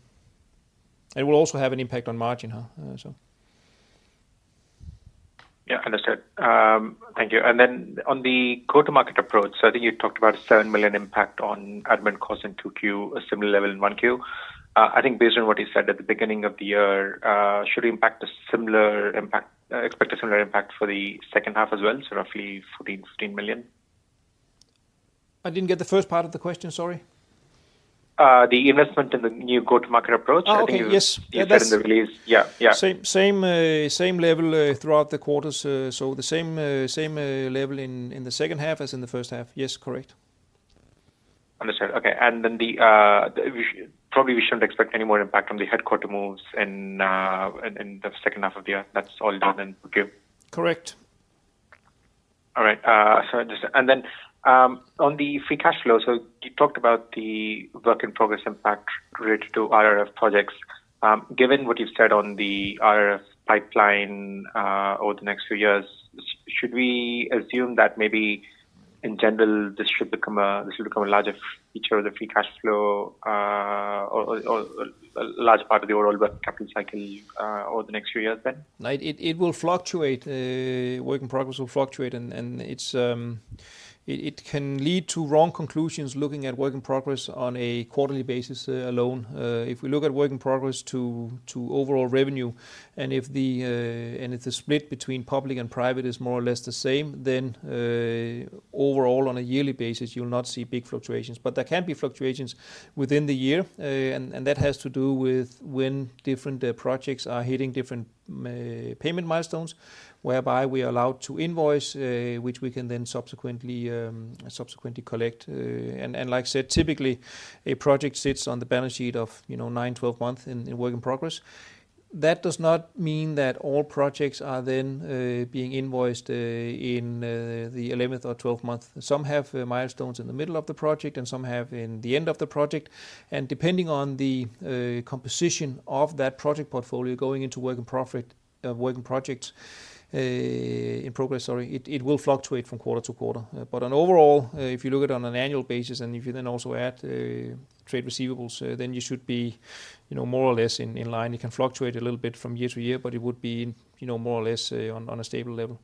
S3: It will also have an impact on margin, huh?
S11: Yeah, understood. Thank you. On the go-to-market approach, I think you talked about 7 million impact on admin costs in Q2, a similar level in Q1. I think based on what you said at the beginning of the year, should expect a similar impact for the second half as well, so roughly 14 million-15 million?
S3: I didn't get the first part of the question, sorry.
S11: The investment in the new go-to-market approach.
S3: Oh, okay. Yes.
S11: I think you said in the release. Yeah, yeah.
S3: Same, same, same level throughout the quarters. The same, same, level in the second half as in the first half. Yes, correct.
S11: Understood. Okay, probably we shouldn't expect any more impact from the headquarter moves in the second half of the year. That's all done and forgive?
S3: Correct.
S11: All right, on the free cash flow, you talked about the work in progress impact related to RRF projects. Given what you've said on the RRF pipeline, over the next few years, should we assume that maybe in general, this should become a larger feature of the free cash flow, or a large part of the overall work capital cycle, over the next few years then?
S3: Right. It, it will fluctuate, work in progress will fluctuate, and, and it's, it, it can lead to wrong conclusions, looking at work in progress on a quarterly basis, alone. If we look at work in progress to, to overall revenue, and if the, and if the split between public and private is more or less the same, then, overall, on a yearly basis, you'll not see big fluctuations. There can be fluctuations within the year. That has to do with when different, projects are hitting different payment milestones, whereby we are allowed to invoice, which we can then subsequently, subsequently collect. Like I said, typically a project sits on the balance sheet of, you know, nine, 12 months in, in work in progress. That does not mean that all projects are then being invoiced in the 11th or 12th month. Some have milestones in the middle of the project, and some have in the end of the project. Depending on the composition of that project portfolio going into work in profit, work in projects in progress, sorry, it will fluctuate from quarter to quarter. But on overall, if you look at it on an annual basis and if you then also add trade receivables, then you should be, you know, more or less in line. It can fluctuate a little bit from year to year, but it would be, you know, more or less on a stable level.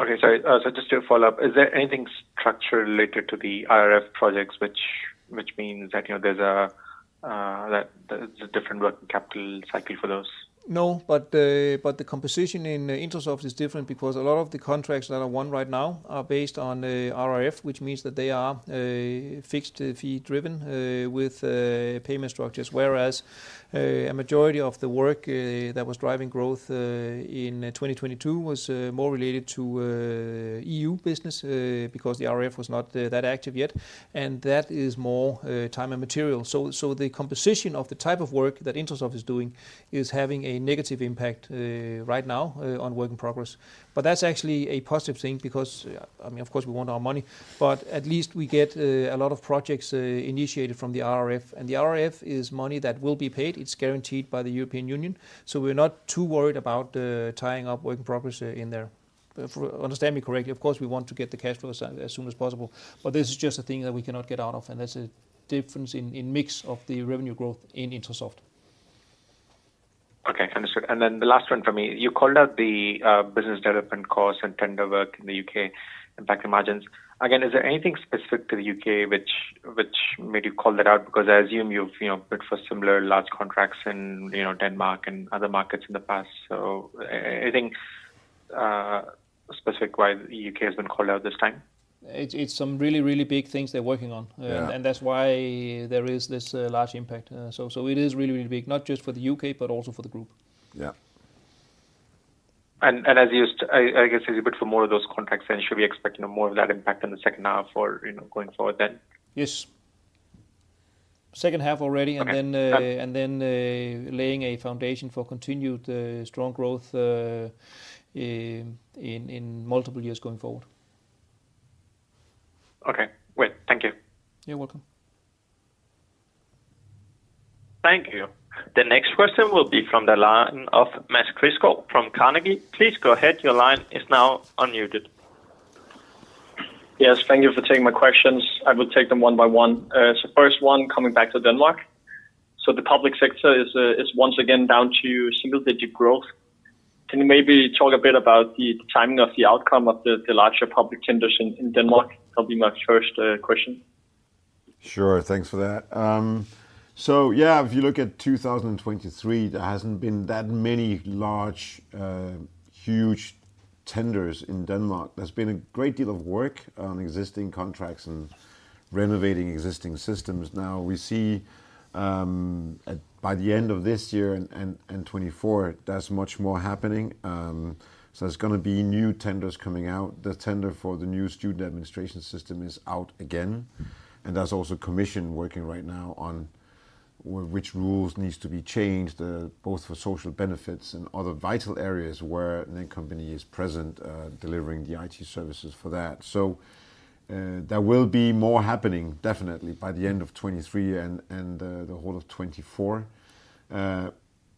S11: Okay, sorry, so just to follow up, is there anything structured related to the RRF projects which, which means that, you know, there's a, that there's a different working capital cycle for those?
S3: The composition in Intrasoft is different because a lot of the contracts that are won right now are based on RRF, which means that they are fixed fee driven with payment structures. A majority of the work that was driving growth in 2022 was more related to E.U. business because the RRF was not that active yet. That is more time and material. The composition of the type of work that Intrasoft is doing is having a negative impact right now on work in progress. That's actually a positive thing because, I mean, of course, we want our money, but at least we get a lot of projects initiated from the RRF, and the RRF is money that will be paid. It's guaranteed by the European Union. We're not too worried about tying up work in progress in there. If you understand me correctly, of course, we want to get the cash flows as soon as possible, but this is just a thing that we cannot get out of, and there's a difference in mix of the revenue growth in Intrasoft.
S11: Okay, understood. Then the last one from me. You called out the business development costs and tender work in the U.K. impact the margins. Again, is there anything specific to the UK which, which made you call that out? Because I assume you've, you know, bid for similar large contracts in, you know, Denmark and other markets in the past. Anything specific why the U.K. has been called out this time?
S3: It's, it's some really, really big things they're working on.
S11: Yeah.
S3: That's why there is this large impact. So it is really, really big, not just for the U.K. but also for the group.
S11: Yeah. As you, I guess as you bid for more of those contracts, then should we expect, you know, more of that impact in the second half or, you know, going forward then?
S3: Yes. Second half already-
S11: Okay.
S3: Then, and then, laying a foundation for continued, strong growth, in, in, in multiple years going forward.
S11: Okay, great. Thank you.
S3: You're welcome.
S1: Thank you. The next question will be from the line of Mads Criscoll from Carnegie. Please go ahead, your line is now unmuted.
S12: Yes, thank you for taking my questions. I will take them one by one. First one, coming back to Denmark. The public sector is once again down to single-digit growth. Can you maybe talk a bit about the timing of the outcome of the larger public tenders in Denmark? That'll be my first question.
S2: Sure. Thanks for that. Yeah, if you look at 2023, there hasn't been that many large, huge tenders in Denmark. There's been a great deal of work on existing contracts and renovating existing systems. Now, we see by the end of this year and 2024, there's much more happening. There's gonna be new tenders coming out. The tender for the new student administration system is out again, and there's also commission working right now on which rules needs to be changed, both for social benefits and other vital areas where the company is present, delivering the IT services for that. There will be more happening, definitely by the end of 2023 and the whole of 2024.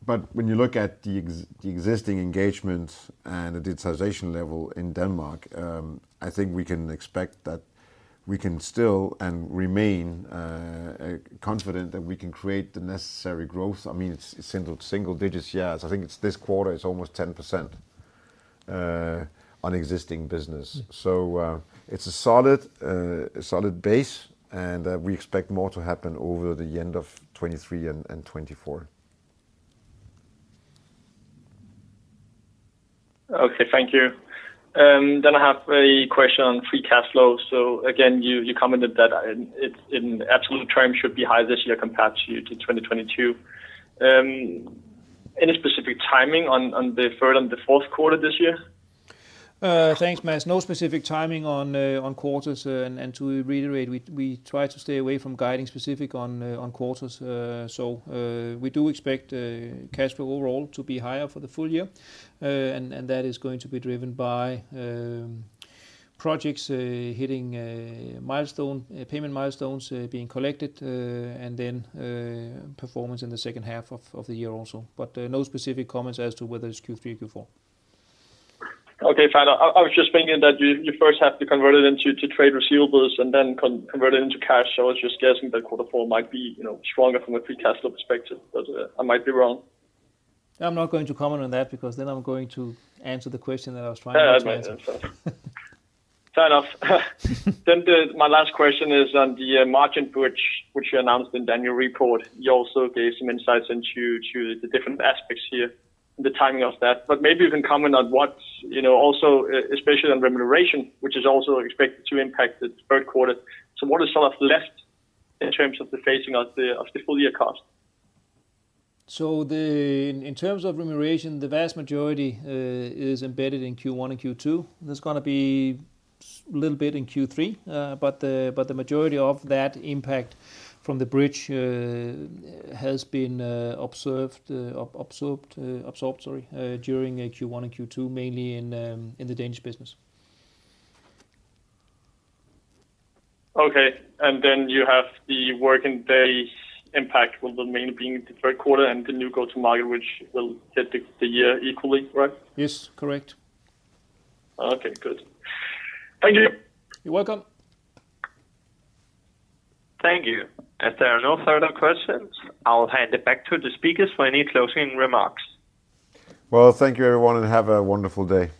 S2: When you look at the the existing engagement and the digitization level in Denmark, I think we can expect that we can still and remain confident that we can create the necessary growth. I mean, it's single, single digits, yes. I think it's this quarter, it's almost 10% on existing business. It's a solid a solid base, and we expect more to happen over the end of 2023 and 2024.
S12: Okay. Thank you. Then I have a question on Free Cash Flow. Again, you, you commented that it, in absolute terms, should be higher this year compared to 2022. Any specific timing on the third and the fourth quarter this year?
S3: Thanks, Mads. No specific timing on quarters. To reiterate, we try to stay away from guiding specific on quarters. We do expect cash flow overall to be higher for the full year. That is going to be driven by projects hitting milestone payment milestones being collected, and then performance in the second half of the year also, but no specific comments as to whether it's Q3, Q4.
S12: Okay, fine. I, I was just thinking that you, you first have to convert it into to trade receivables and then convert it into cash. I was just guessing that quarter four might be, you know, stronger from a Free Cash Flow perspective, but, I might be wrong.
S3: I'm not going to comment on that because then I'm going to answer the question that I was trying not to answer.
S12: Fair enough. The, my last question is on the margin bridge, which you announced in the annual report. You also gave some insights into, to the different aspects here and the timing of that, but maybe you can comment on what. You know, also, especially on remuneration, which is also expected to impact the third quarter. What is sort of left in terms of the phasing of the, of the full year cost?
S3: In terms of remuneration, the vast majority is embedded in Q1 and Q2. There's gonna be little bit in Q3. But the, but the majority of that impact from the bridge has been observed, absorbed, absorbed, sorry, during Q1 and Q2, mainly in the Danish business.
S12: Okay. Then you have the working days impact, will the mainly be in the third quarter and the new go-to-market, which will hit the, the year equally, right?
S3: Yes, correct.
S12: Okay, good. Thank you.
S3: You're welcome.
S1: Thank you. As there are no further questions, I'll hand it back to the speakers for any closing remarks.
S2: Well, thank you everyone, and have a wonderful day.